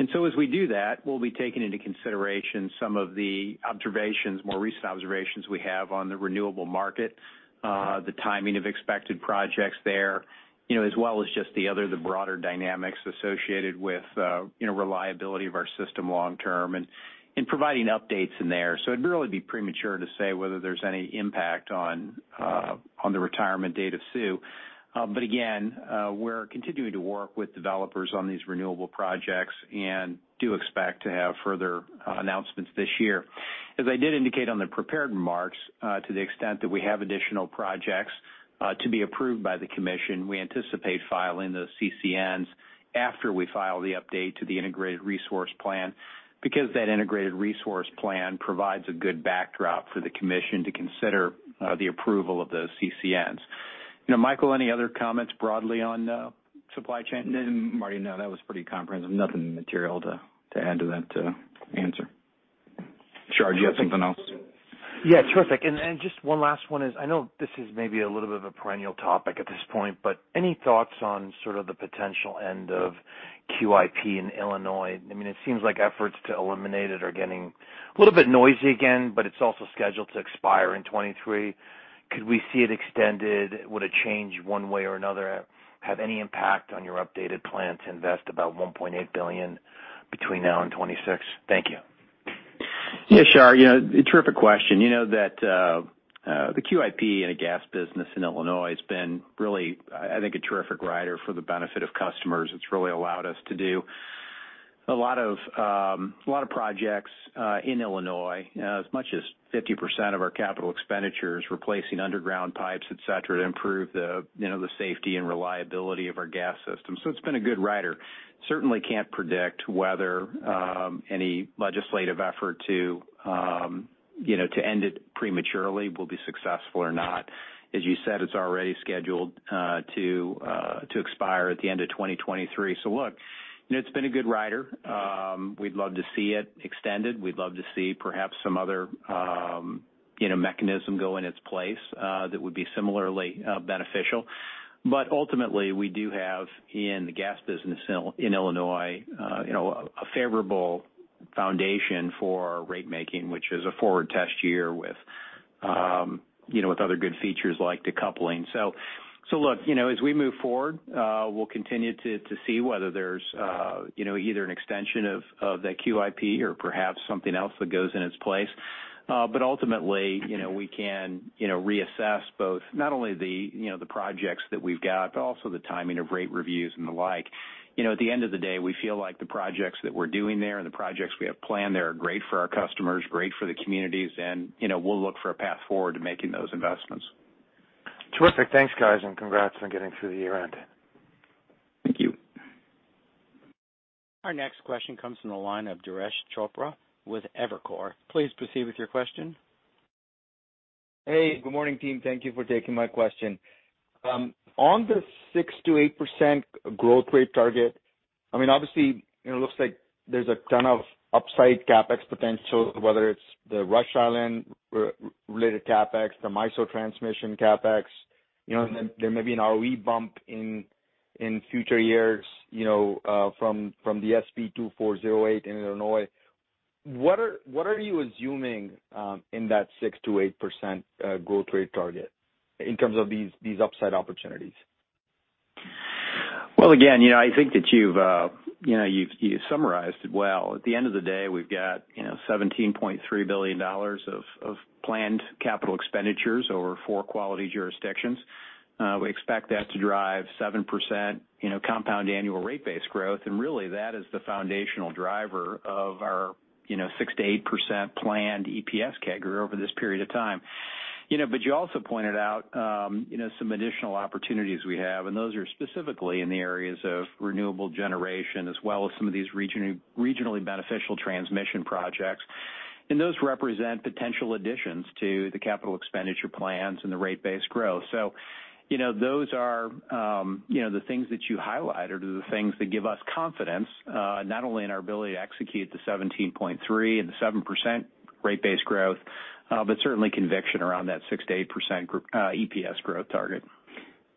As we do that, we'll be taking into consideration some of the observations, more recent observations we have on the renewable market, the timing of expected projects there, you know, as well as just the other, the broader dynamics associated with, you know, reliability of our system long term and providing updates in there. So it'd really be premature to say whether there's any impact on the retirement date of Sioux. Again, we're continuing to work with developers on these renewable projects and do expect to have further announcements this year. As I did indicate on the prepared remarks, to the extent that we have additional projects to be approved by the commission, we anticipate filing those CCNs after we file the update to the integrated resource plan, because that integrated resource plan provides a good backdrop for the commission to consider the approval of those CCNs. You know, Michael, any other comments broadly on supply chain? Martin, no, that was pretty comprehensive. Nothing material to add to that, answer. Shar, do you have something else? Yeah. Terrific. Just one last one is, I know this is maybe a little bit of a perennial topic at this point, but any thoughts on sort of the potential end of QIP in Illinois? I mean, it seems like efforts to eliminate it are getting a little bit noisy again, but it's also scheduled to expire in 2023. Could we see it extended? Would a change one way or another have any impact on your updated plan to invest about $1.8 billion between now and 2026? Thank you. Yeah, Shar, you know, a terrific question. You know that the QIP in a gas business in Illinois has been really, I think, a terrific rider for the benefit of customers. It's really allowed us to do a lot of projects in Illinois, as much as 50% of our capital expenditures replacing underground pipes, et cetera, to improve the, you know, the safety and reliability of our gas system. It's been a good rider. Certainly can't predict whether any legislative effort to, you know, to end it prematurely will be successful or not. As you said, it's already scheduled to expire at the end of 2023. Look, it's been a good rider. We'd love to see it extended. We'd love to see perhaps some other, you know, mechanism go in its place, that would be similarly, beneficial. Ultimately, we do have in the gas business in Illinois, you know, a favorable foundation for rate making, which is a forward test year with, you know, with other good features like decoupling. So look, you know, as we move forward, we'll continue to see whether there's, you know, either an extension of that QIP or perhaps something else that goes in its place. Ultimately, you know, we can, you know, reassess both not only the, you know, the projects that we've got, but also the timing of rate reviews and the like. You know, at the end of the day, we feel like the projects that we're doing there and the projects we have planned there are great for our customers, great for the communities, and, you know, we'll look for a path forward to making those investments. Terrific. Thanks, guys, and congrats on getting through the year-end. Thank you. Our next question comes from the line of Durgesh Chopra with Evercore. Please proceed with your question. Hey, good morning, team. Thank you for taking my question. On the 6%-8% growth rate target, I mean, obviously, it looks like there's a ton of upside CapEx potential, whether it's the Rush Island-related CapEx, the MISO transmission CapEx. You know, there may be an ROE bump in future years, you know, from the SB 2408 in Illinois. What are you assuming in that 6%-8% growth rate target in terms of these upside opportunities? Well, again, you know, I think that you've, you know, summarized it well. At the end of the day, we've got, you know, $17.3 billion of planned capital expenditures over four quality jurisdictions. We expect that to drive 7%, you know, compound annual rate-based growth. Really, that is the foundational driver of our, you know, 6%-8% planned EPS CAGR over this period of time. You know, you also pointed out, you know, some additional opportunities we have, and those are specifically in the areas of renewable generation as well as some of these regionally beneficial transmission projects. Those represent potential additions to the capital expenditure plans and the rate-based growth. you know, those are the things that you highlighted are the things that give us confidence, not only in our ability to execute the 17.3% and the 7% rate-based growth, but certainly conviction around that 6%-8% EPS growth target.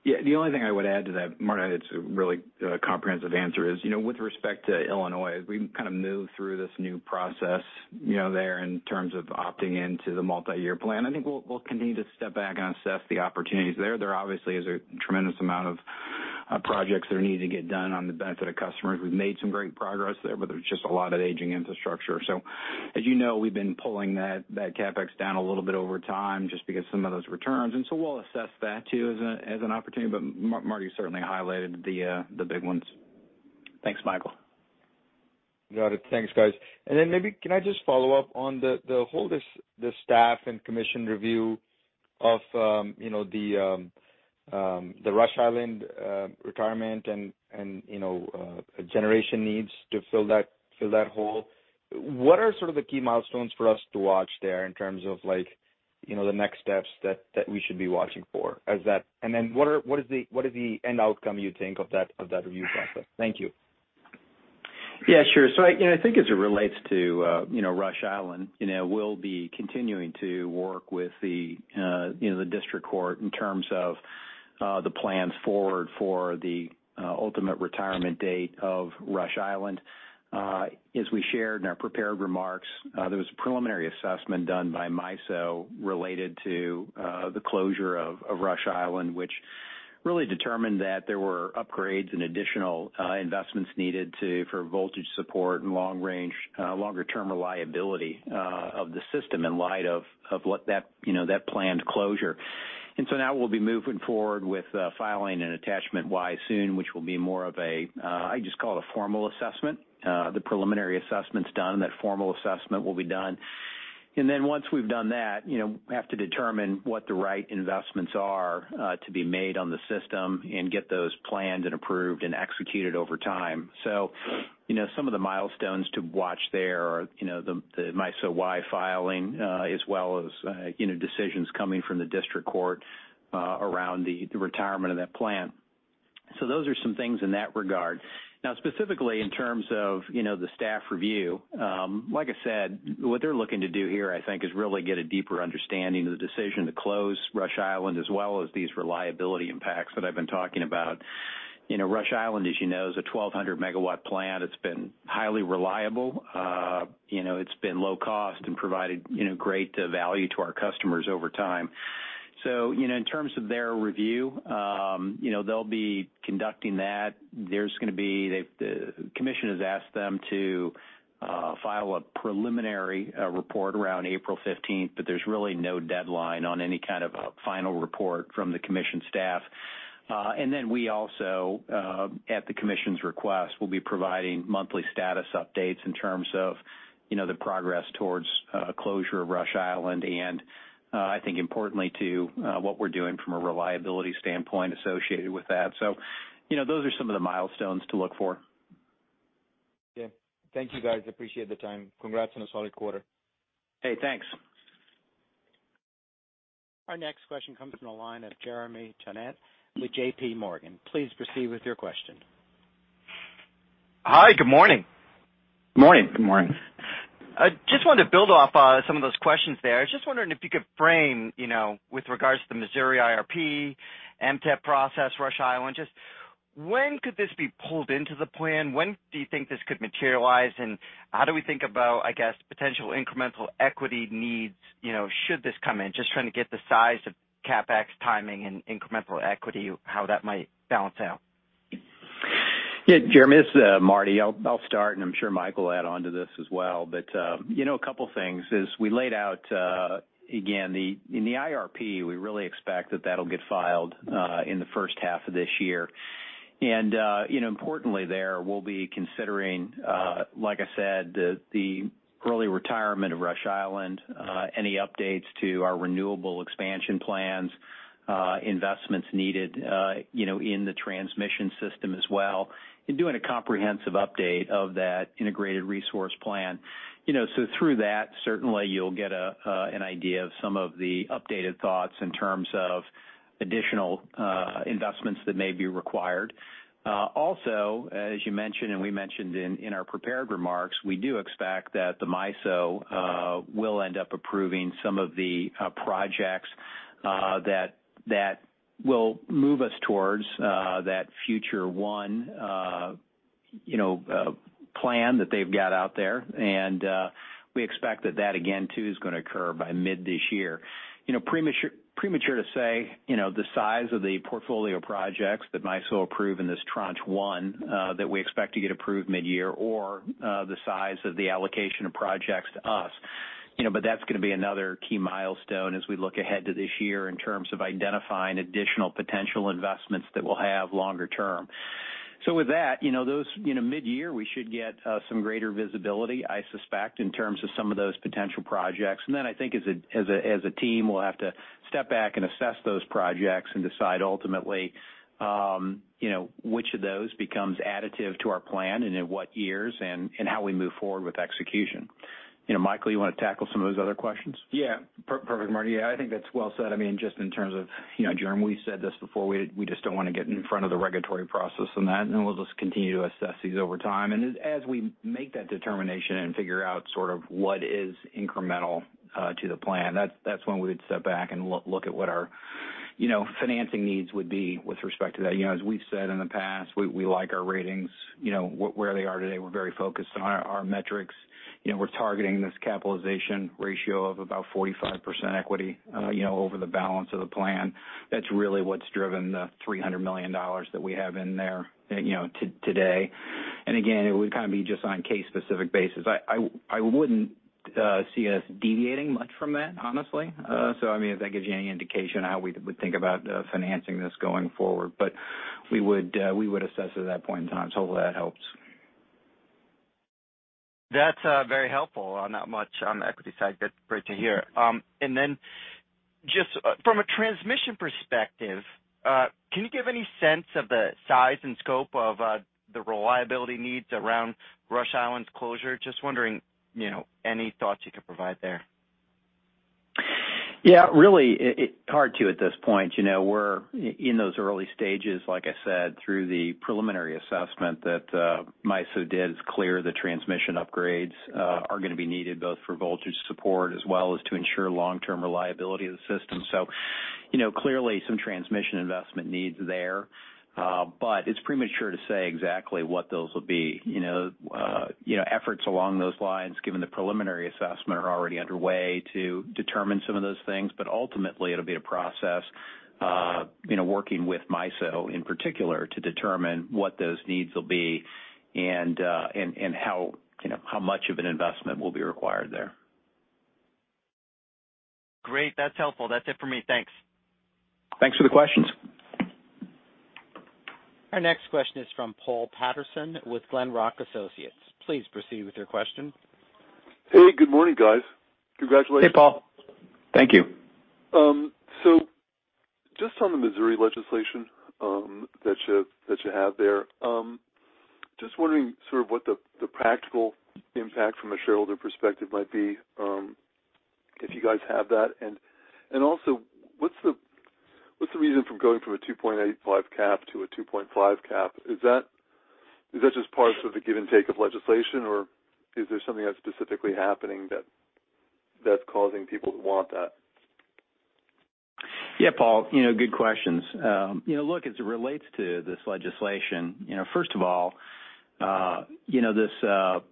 Yeah. The only thing I would add to that, Martin, it's a really comprehensive answer, is, you know, with respect to Illinois, we kind of move through this new process, you know, there in terms of opting into the multi-year plan. I think we'll continue to step back and assess the opportunities there. There obviously is a tremendous amount of projects that need to get done on the benefit of customers. We've made some great progress there, but there's just a lot of aging infrastructure. As you know, we've been pulling that CapEx down a little bit over time just because some of those returns. We'll assess that too as an opportunity. Marty certainly highlighted the big ones. Thanks, Michael. Got it. Thanks, guys. Maybe can I just follow up on the staff and commission review of the Rush Island retirement and generation needs to fill that hole. What are sort of the key milestones for us to watch there in terms of the next steps that we should be watching for as that? What is the end outcome you think of that review process? Thank you. Yeah, sure. You know, I think as it relates to Rush Island, you know, we'll be continuing to work with the district court in terms of the plans forward for the ultimate retirement date of Rush Island. As we shared in our prepared remarks, there was a preliminary assessment done by MISO related to the closure of Rush Island, which really determined that there were upgrades and additional investments needed for voltage support and longer-term reliability of the system in light of what that you know that planned closure. Now we'll be moving forward with filing an Attachment Y soon, which will be more of a I just call it a formal assessment. The preliminary assessment's done, and that formal assessment will be done. Then once we've done that, you know, we have to determine what the right investments are, to be made on the system and get those planned and approved and executed over time. You know, some of the milestones to watch there are, you know, the MISO Y filing, as well as, you know, decisions coming from the district court, around the retirement of that plant. Those are some things in that regard. Now, specifically in terms of, you know, the staff review, like I said, what they're looking to do here, I think, is really get a deeper understanding of the decision to close Rush Island as well as these reliability impacts that I've been talking about. You know, Rush Island, as you know, is a 1,200MW plant. It's been highly reliable. You know, it's been low cost and provided great value to our customers over time. You know, in terms of their review, you know, they'll be conducting that. The commission has asked them to file a preliminary report around April 15th, but there's really no deadline on any kind of a final report from the commission staff. We also, at the commission's request, will be providing monthly status updates in terms of, you know, the progress towards closure of Rush Island. I think importantly too, what we're doing from a reliability standpoint associated with that. You know, those are some of the milestones to look for. Yeah. Thank you, guys. Appreciate the time. Congrats on a solid quarter. Hey, thanks. Our next question comes from the line of Jeremy Tonet with JPMorgan. Please proceed with your question. Hi. Good morning. Morning. Good morning. I just wanted to build off some of those questions there. I was just wondering if you could frame, you know, with regards to the Missouri IRP, MTEP process, Rush Island, just when could this be pulled into the plan? When do you think this could materialize? How do we think about, I guess, potential incremental equity needs, you know, should this come in? Just trying to get the size of CapEx timing and incremental equity, how that might balance out. Yeah, Jeremy, it's Martin. I'll start, and I'm sure Michael will add on to this as well. You know, a couple things is we laid out again in the IRP, we really expect that that'll get filed in the first half of this year. You know, importantly there, we'll be considering, like I said, the early retirement of Rush Island, any updates to our renewable expansion plans, investments needed, you know, in the transmission system as well, and doing a comprehensive update of that integrated resource plan. You know, so through that, certainly you'll get an idea of some of the updated thoughts in terms of additional investments that may be required. Also, as you mentioned, and we mentioned in our prepared remarks, we do expect that the MISO will end up approving some of the projects that will move us towards that Future 1, you know, plan that they've got out there. We expect that that again, too, is gonna occur by mid this year. You know, premature to say, you know, the size of the portfolio projects that MISO approved in this Tranche 1 that we expect to get approved mid-year or the size of the allocation of projects to us. You know, but that's gonna be another key milestone as we look ahead to this year in terms of identifying additional potential investments that we'll have longer term. With that, you know, those, you know, mid-year, we should get some greater visibility, I suspect, in terms of some of those potential projects. Then I think as a team, we'll have to step back and assess those projects and decide ultimately, you know, which of those becomes additive to our plan and in what years and how we move forward with execution. You know, Michael, you wanna tackle some of those other questions? Perfect, Martin. Yeah, I think that's well said. I mean, just in terms of, you know, Jeremy, we said this before, we just don't wanna get in front of the regulatory process on that, and we'll just continue to assess these over time. As we make that determination and figure out sort of what is incremental to the plan, that's when we would step back and look at what our, you know, financing needs would be with respect to that. You know, as we've said in the past, we like our ratings, you know, where they are today. We're very focused on our metrics. You know, we're targeting this capitalization ratio of about 45% equity, you know, over the balance of the plan. That's really what's driven the $300 million that we have in there, you know, today. Again, it would kind of be just on case specific basis. I wouldn't see us deviating much from that, honestly. I mean, if that gives you any indication how we would think about financing this going forward. We would assess at that point in time. Hopefully that helps. That's very helpful on that much on the equity side. Great to hear. Then just from a transmission perspective, can you give any sense of the size and scope of the reliability needs around Rush Island's closure? Just wondering, you know, any thoughts you could provide there. Yeah. Really hard to say at this point. You know, we're in those early stages, like I said, through the preliminary assessment that MISO did is clear, the transmission upgrades are gonna be needed both for voltage support as well as to ensure long-term reliability of the system. You know, clearly some transmission investment needs there, but it's premature to say exactly what those will be. You know, efforts along those lines, given the preliminary assessment, are already underway to determine some of those things, but ultimately it'll be a process, you know, working with MISO in particular to determine what those needs will be and how, you know, how much of an investment will be required there. Great. That's helpful. That's it for me. Thanks. Thanks for the questions. Our next question is from Paul Patterson with Glenrock Associates. Please proceed with your question. Hey, good morning, guys. Congratulations. Hey, Paul. Thank you. Just on the Missouri legislation that you have there, just wondering sort of what the practical impact from a shareholder perspective might be. If you guys have that. Also, what's the reason for going from a 2.85 cap to a 2.5 cap? Is that just part of the give and take of legislation, or is there something that's specifically happening that's causing people to want that? Yeah, Paul, you know, good questions. You know, look, as it relates to this legislation, you know, first of all, you know, this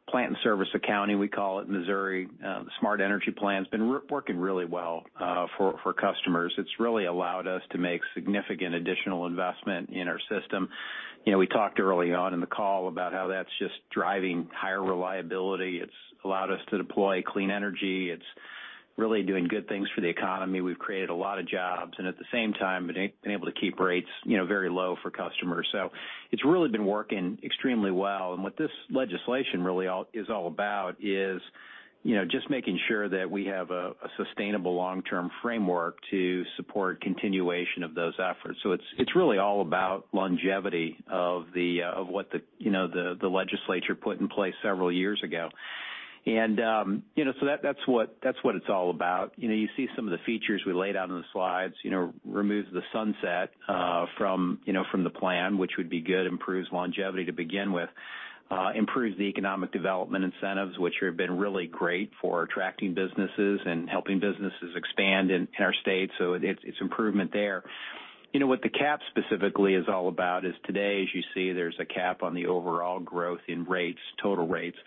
plant and service accounting, we call it in Missouri, the Smart Energy Plan's been working really well for customers. It's really allowed us to make significant additional investment in our system. You know, we talked early on in the call about how that's just driving higher reliability. It's allowed us to deploy clean energy. It's really doing good things for the economy. We've created a lot of jobs, and at the same time, been able to keep rates, you know, very low for customers. So it's really been working extremely well. What this legislation really is all about is, you know, just making sure that we have a sustainable long-term framework to support continuation of those efforts. It's really all about longevity of what the legislature put in place several years ago. That's what it's all about. You see some of the features we laid out in the slides, removes the sunset from the plan, which would be good, improves longevity to begin with. Improves the economic development incentives, which have been really great for attracting businesses and helping businesses expand in our state, it's improvement there. What the cap specifically is all about is today, as you see, there's a cap on the overall growth in rates, total rates.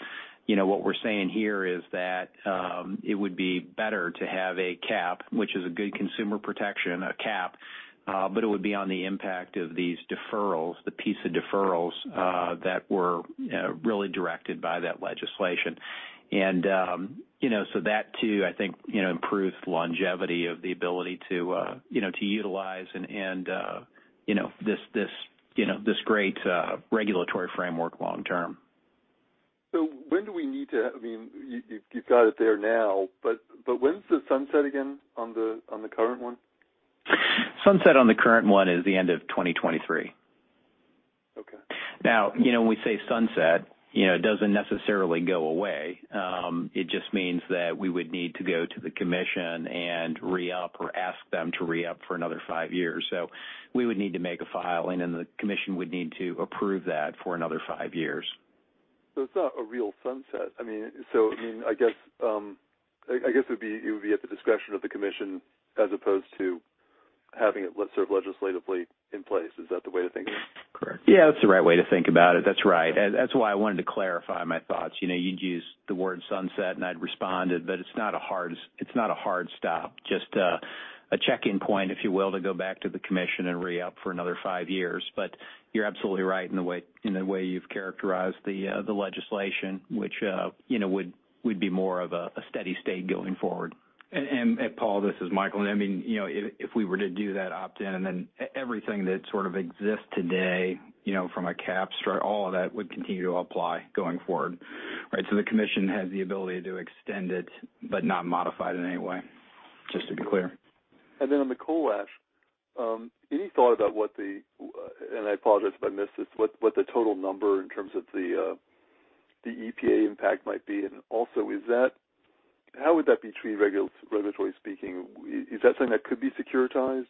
You know, what we're saying here is that it would be better to have a cap, which is a good consumer protection, but it would be on the impact of these deferrals, the piece of deferrals that were really directed by that legislation. You know, so that too, I think, you know, improves longevity of the ability to you know, to utilize and you know, this great regulatory framework long term. When do we need to? I mean, you've got it there now, but when's the sunset again on the current one? Sunset on the current one is the end of 2023. Okay. Now, you know, when we say sunset, you know, it doesn't necessarily go away. It just means that we would need to go to the commission and re-up or ask them to re-up for another five years. We would need to make a filing, and the commission would need to approve that for another five years. It's not a real sunset. I mean, I guess it would be at the discretion of the commission as opposed to having it legislatively in place. Is that the way to think of it? Correct. Yeah, that's the right way to think about it. That's right. That's why I wanted to clarify my thoughts. You know, you'd use the word sunset, and I'd responded, but it's not a hard stop, just a check-in point, if you will, to go back to the commission and re-up for another five years. You're absolutely right in the way you've characterized the legislation, which, you know, would be more of a steady state going forward. Paul, this is Michael. I mean, you know, if we were to do that opt-in and then everything that sort of exists today, you know, from a capital structure all of that would continue to apply going forward, right? The commission has the ability to extend it, but not modify it in any way, just to be clear. On the coal ash, any thought about what the total number in terms of the EPA impact might be? I apologize if I missed this. Also, how would that be treated regulatory speaking? Is that something that could be securitized?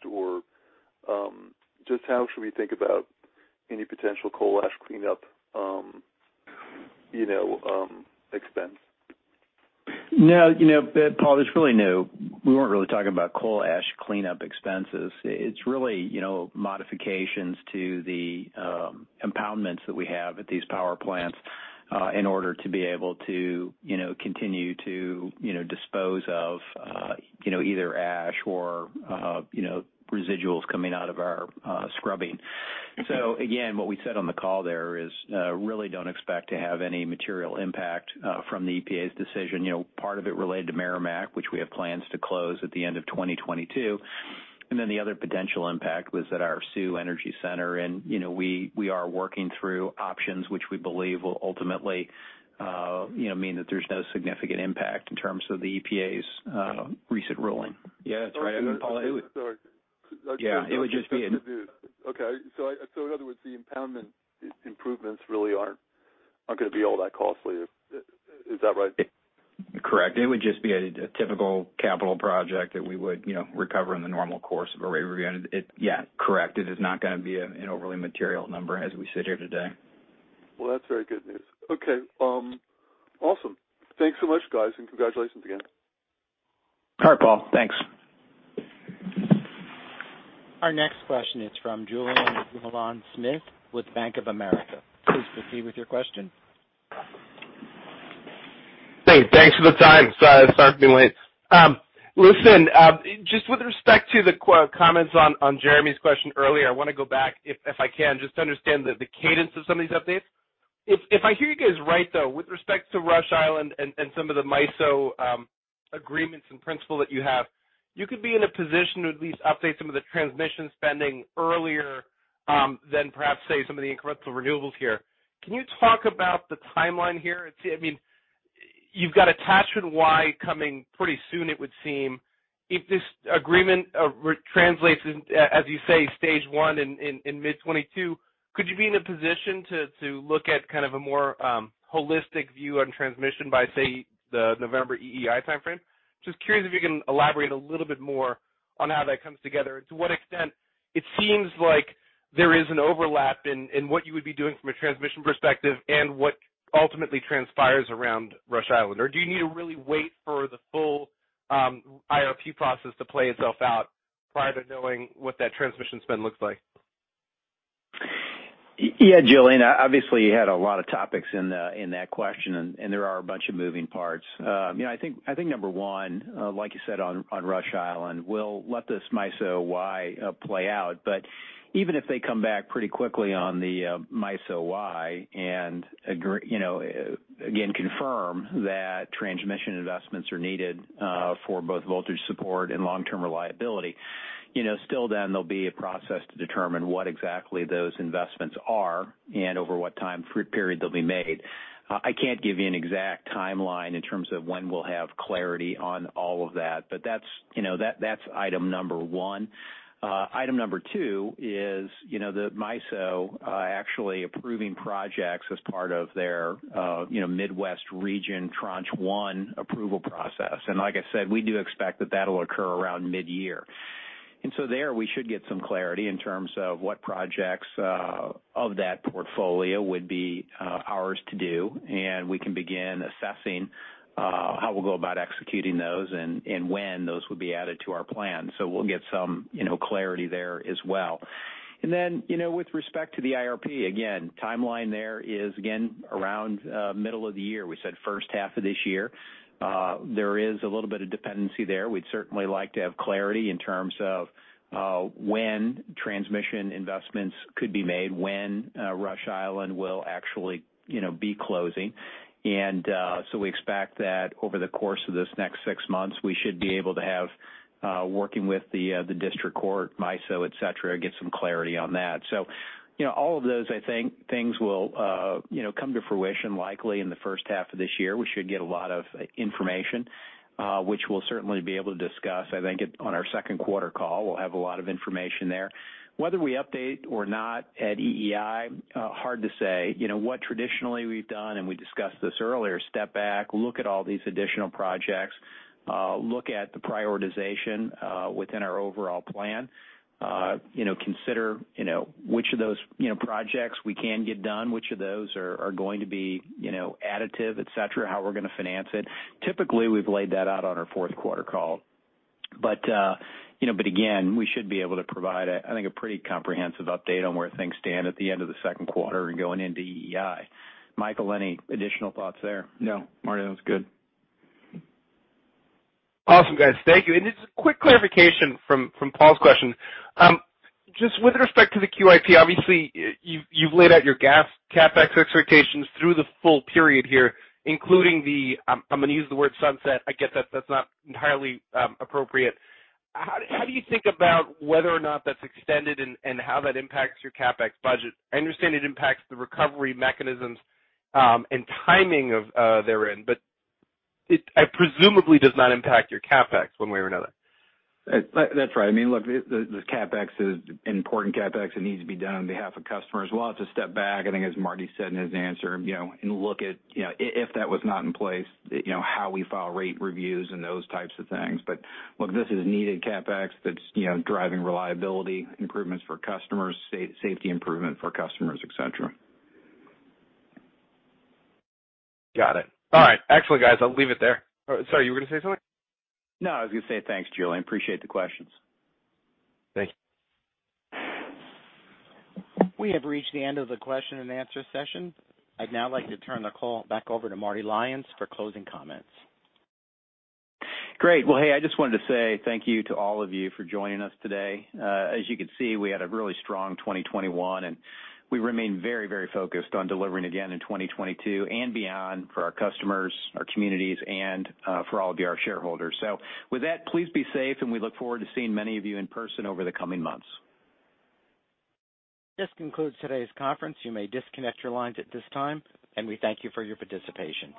Just how should we think about any potential coal ash cleanup, you know, expense? No, we weren't really talking about coal ash cleanup expenses. It's really, you know, modifications to the impoundments that we have at these power plants in order to be able to, you know, continue to, you know, dispose of, you know, either ash or, you know, residuals coming out of our scrubbing. Again, what we said on the call there is really don't expect to have any material impact from the EPA's decision. You know, part of it related to Meramec, which we have plans to close at the end of 2022. Then the other potential impact was at our Sioux Energy Center. You know, we are working through options which we believe will ultimately, you know, mean that there's no significant impact in terms of the EPA's recent ruling. Yeah, that's right. Paul, it would- Sorry. Yeah, it would just be. Okay. In other words, the impoundment improvements really aren't gonna be all that costly. Is that right? Correct. It would just be a typical capital project that we would, you know, recover in the normal course of a rate review. Yeah, correct. It is not gonna be an overly material number as we sit here today. Well, that's very good news. Okay. Awesome. Thanks so much, guys, and congratulations again. All right, Paul. Thanks. Our next question is from Julien Dumoulin-Smith with Bank of America. Please proceed with your question. Hey, thanks for the time. Sorry for being late. Listen, just with respect to the comments on Jeremy's question earlier, I wanna go back if I can, just to understand the cadence of some of these updates. If I hear you guys right, though, with respect to Rush Island and some of the MISO agreements in principle that you have, you could be in a position to at least update some of the transmission spending earlier than perhaps, say, some of the incremental renewables here. Can you talk about the timeline here? I mean, you've got Attachment Y coming pretty soon, it would seem. If this agreement re-translates in, as you say, stage one in mid 2022, could you be in a position to look at kind of a more holistic view on transmission by, say, the November EEI timeframe? Just curious if you can elaborate a little bit more on how that comes together and to what extent it seems like there is an overlap in what you would be doing from a transmission perspective and what ultimately transpires around Rush Island. Or do you need to really wait for the full IRP process to play itself out prior to knowing what that transmission spend looks like? Yeah, Julien, obviously you had a lot of topics in that question and there are a bunch of moving parts. You know, I think number one, like you said on Rush Island, we'll let this MISO Y play out. Even if they come back pretty quickly on the MISO Y and agree, you know, again, confirm that transmission investments are needed for both voltage support and long-term reliability, you know, still then there'll be a process to determine what exactly those investments are and over what time period they'll be made. I can't give you an exact timeline in terms of when we'll have clarity on all of that's, you know, that's item number one. Item number two is, you know, the MISO actually approving projects as part of their, you know, Midwest region tranche 1 approval process. Like I said, we do expect that that'll occur around mid-year. There, we should get some clarity in terms of what projects of that portfolio would be ours to do, and we can begin assessing how we'll go about executing those and when those would be added to our plan. We'll get some, you know, clarity there as well. You know, with respect to the IRP, again, timeline there is again around middle of the year. We said first half of this year. There is a little bit of dependency there. We'd certainly like to have clarity in terms of when transmission investments could be made, when Rush Island will actually, you know, be closing. We expect that over the course of this next six months, we should be able to have working with the district court, MISO, et cetera, get some clarity on that. You know, all of those, I think, things will, you know, come to fruition likely in the first half of this year. We should get a lot of information, which we'll certainly be able to discuss, I think, on our second quarter call. We'll have a lot of information there. Whether we update or not at EEI, hard to say. You know, what traditionally we've done, and we discussed this earlier, step back, look at all these additional projects, look at the prioritization within our overall plan. You know, consider which of those projects we can get done, which of those are going to be additive, et cetera, how we're gonna finance it. Typically, we've laid that out on our fourth quarter call. You know, we should be able to provide, I think, a pretty comprehensive update on where things stand at the end of the second quarter and going into EEI. Michael, any additional thoughts there? No. Marty, that was good. Awesome, guys. Thank you. Just a quick clarification from Paul's question. Just with respect to the QIP, obviously you've laid out your gas CapEx expectations through the full period here, including, I'm gonna use the word sunset. I get that that's not entirely appropriate. How do you think about whether or not that's extended and how that impacts your CapEx budget? I understand it impacts the recovery mechanisms and timing of therein, but it presumably does not impact your CapEx one way or another. That's right. I mean, look, the CapEx is important CapEx. It needs to be done on behalf of customers. We'll have to step back, I think as Marty said in his answer, you know, and look at, you know, if that was not in place, you know, how we file rate reviews and those types of things. Look, this is needed CapEx that's, you know, driving reliability improvements for customers, safety improvement for customers, et cetera. Got it. All right. Excellent, guys. I'll leave it there. Oh, sorry, you were gonna say something? No, I was gonna say thanks, Julien. Appreciate the questions. Thank you. We have reached the end of the question and answer session. I'd now like to turn the call back over to Marty Lyons for closing comments. Great. Well, hey, I just wanted to say thank you to all of you for joining us today. As you can see, we had a really strong 2021, and we remain very, very focused on delivering again in 2022 and beyond for our customers, our communities, and for all of our shareholders. With that, please be safe, and we look forward to seeing many of you in person over the coming months. This concludes today's conference. You may disconnect your lines at this time, and we thank you for your participation.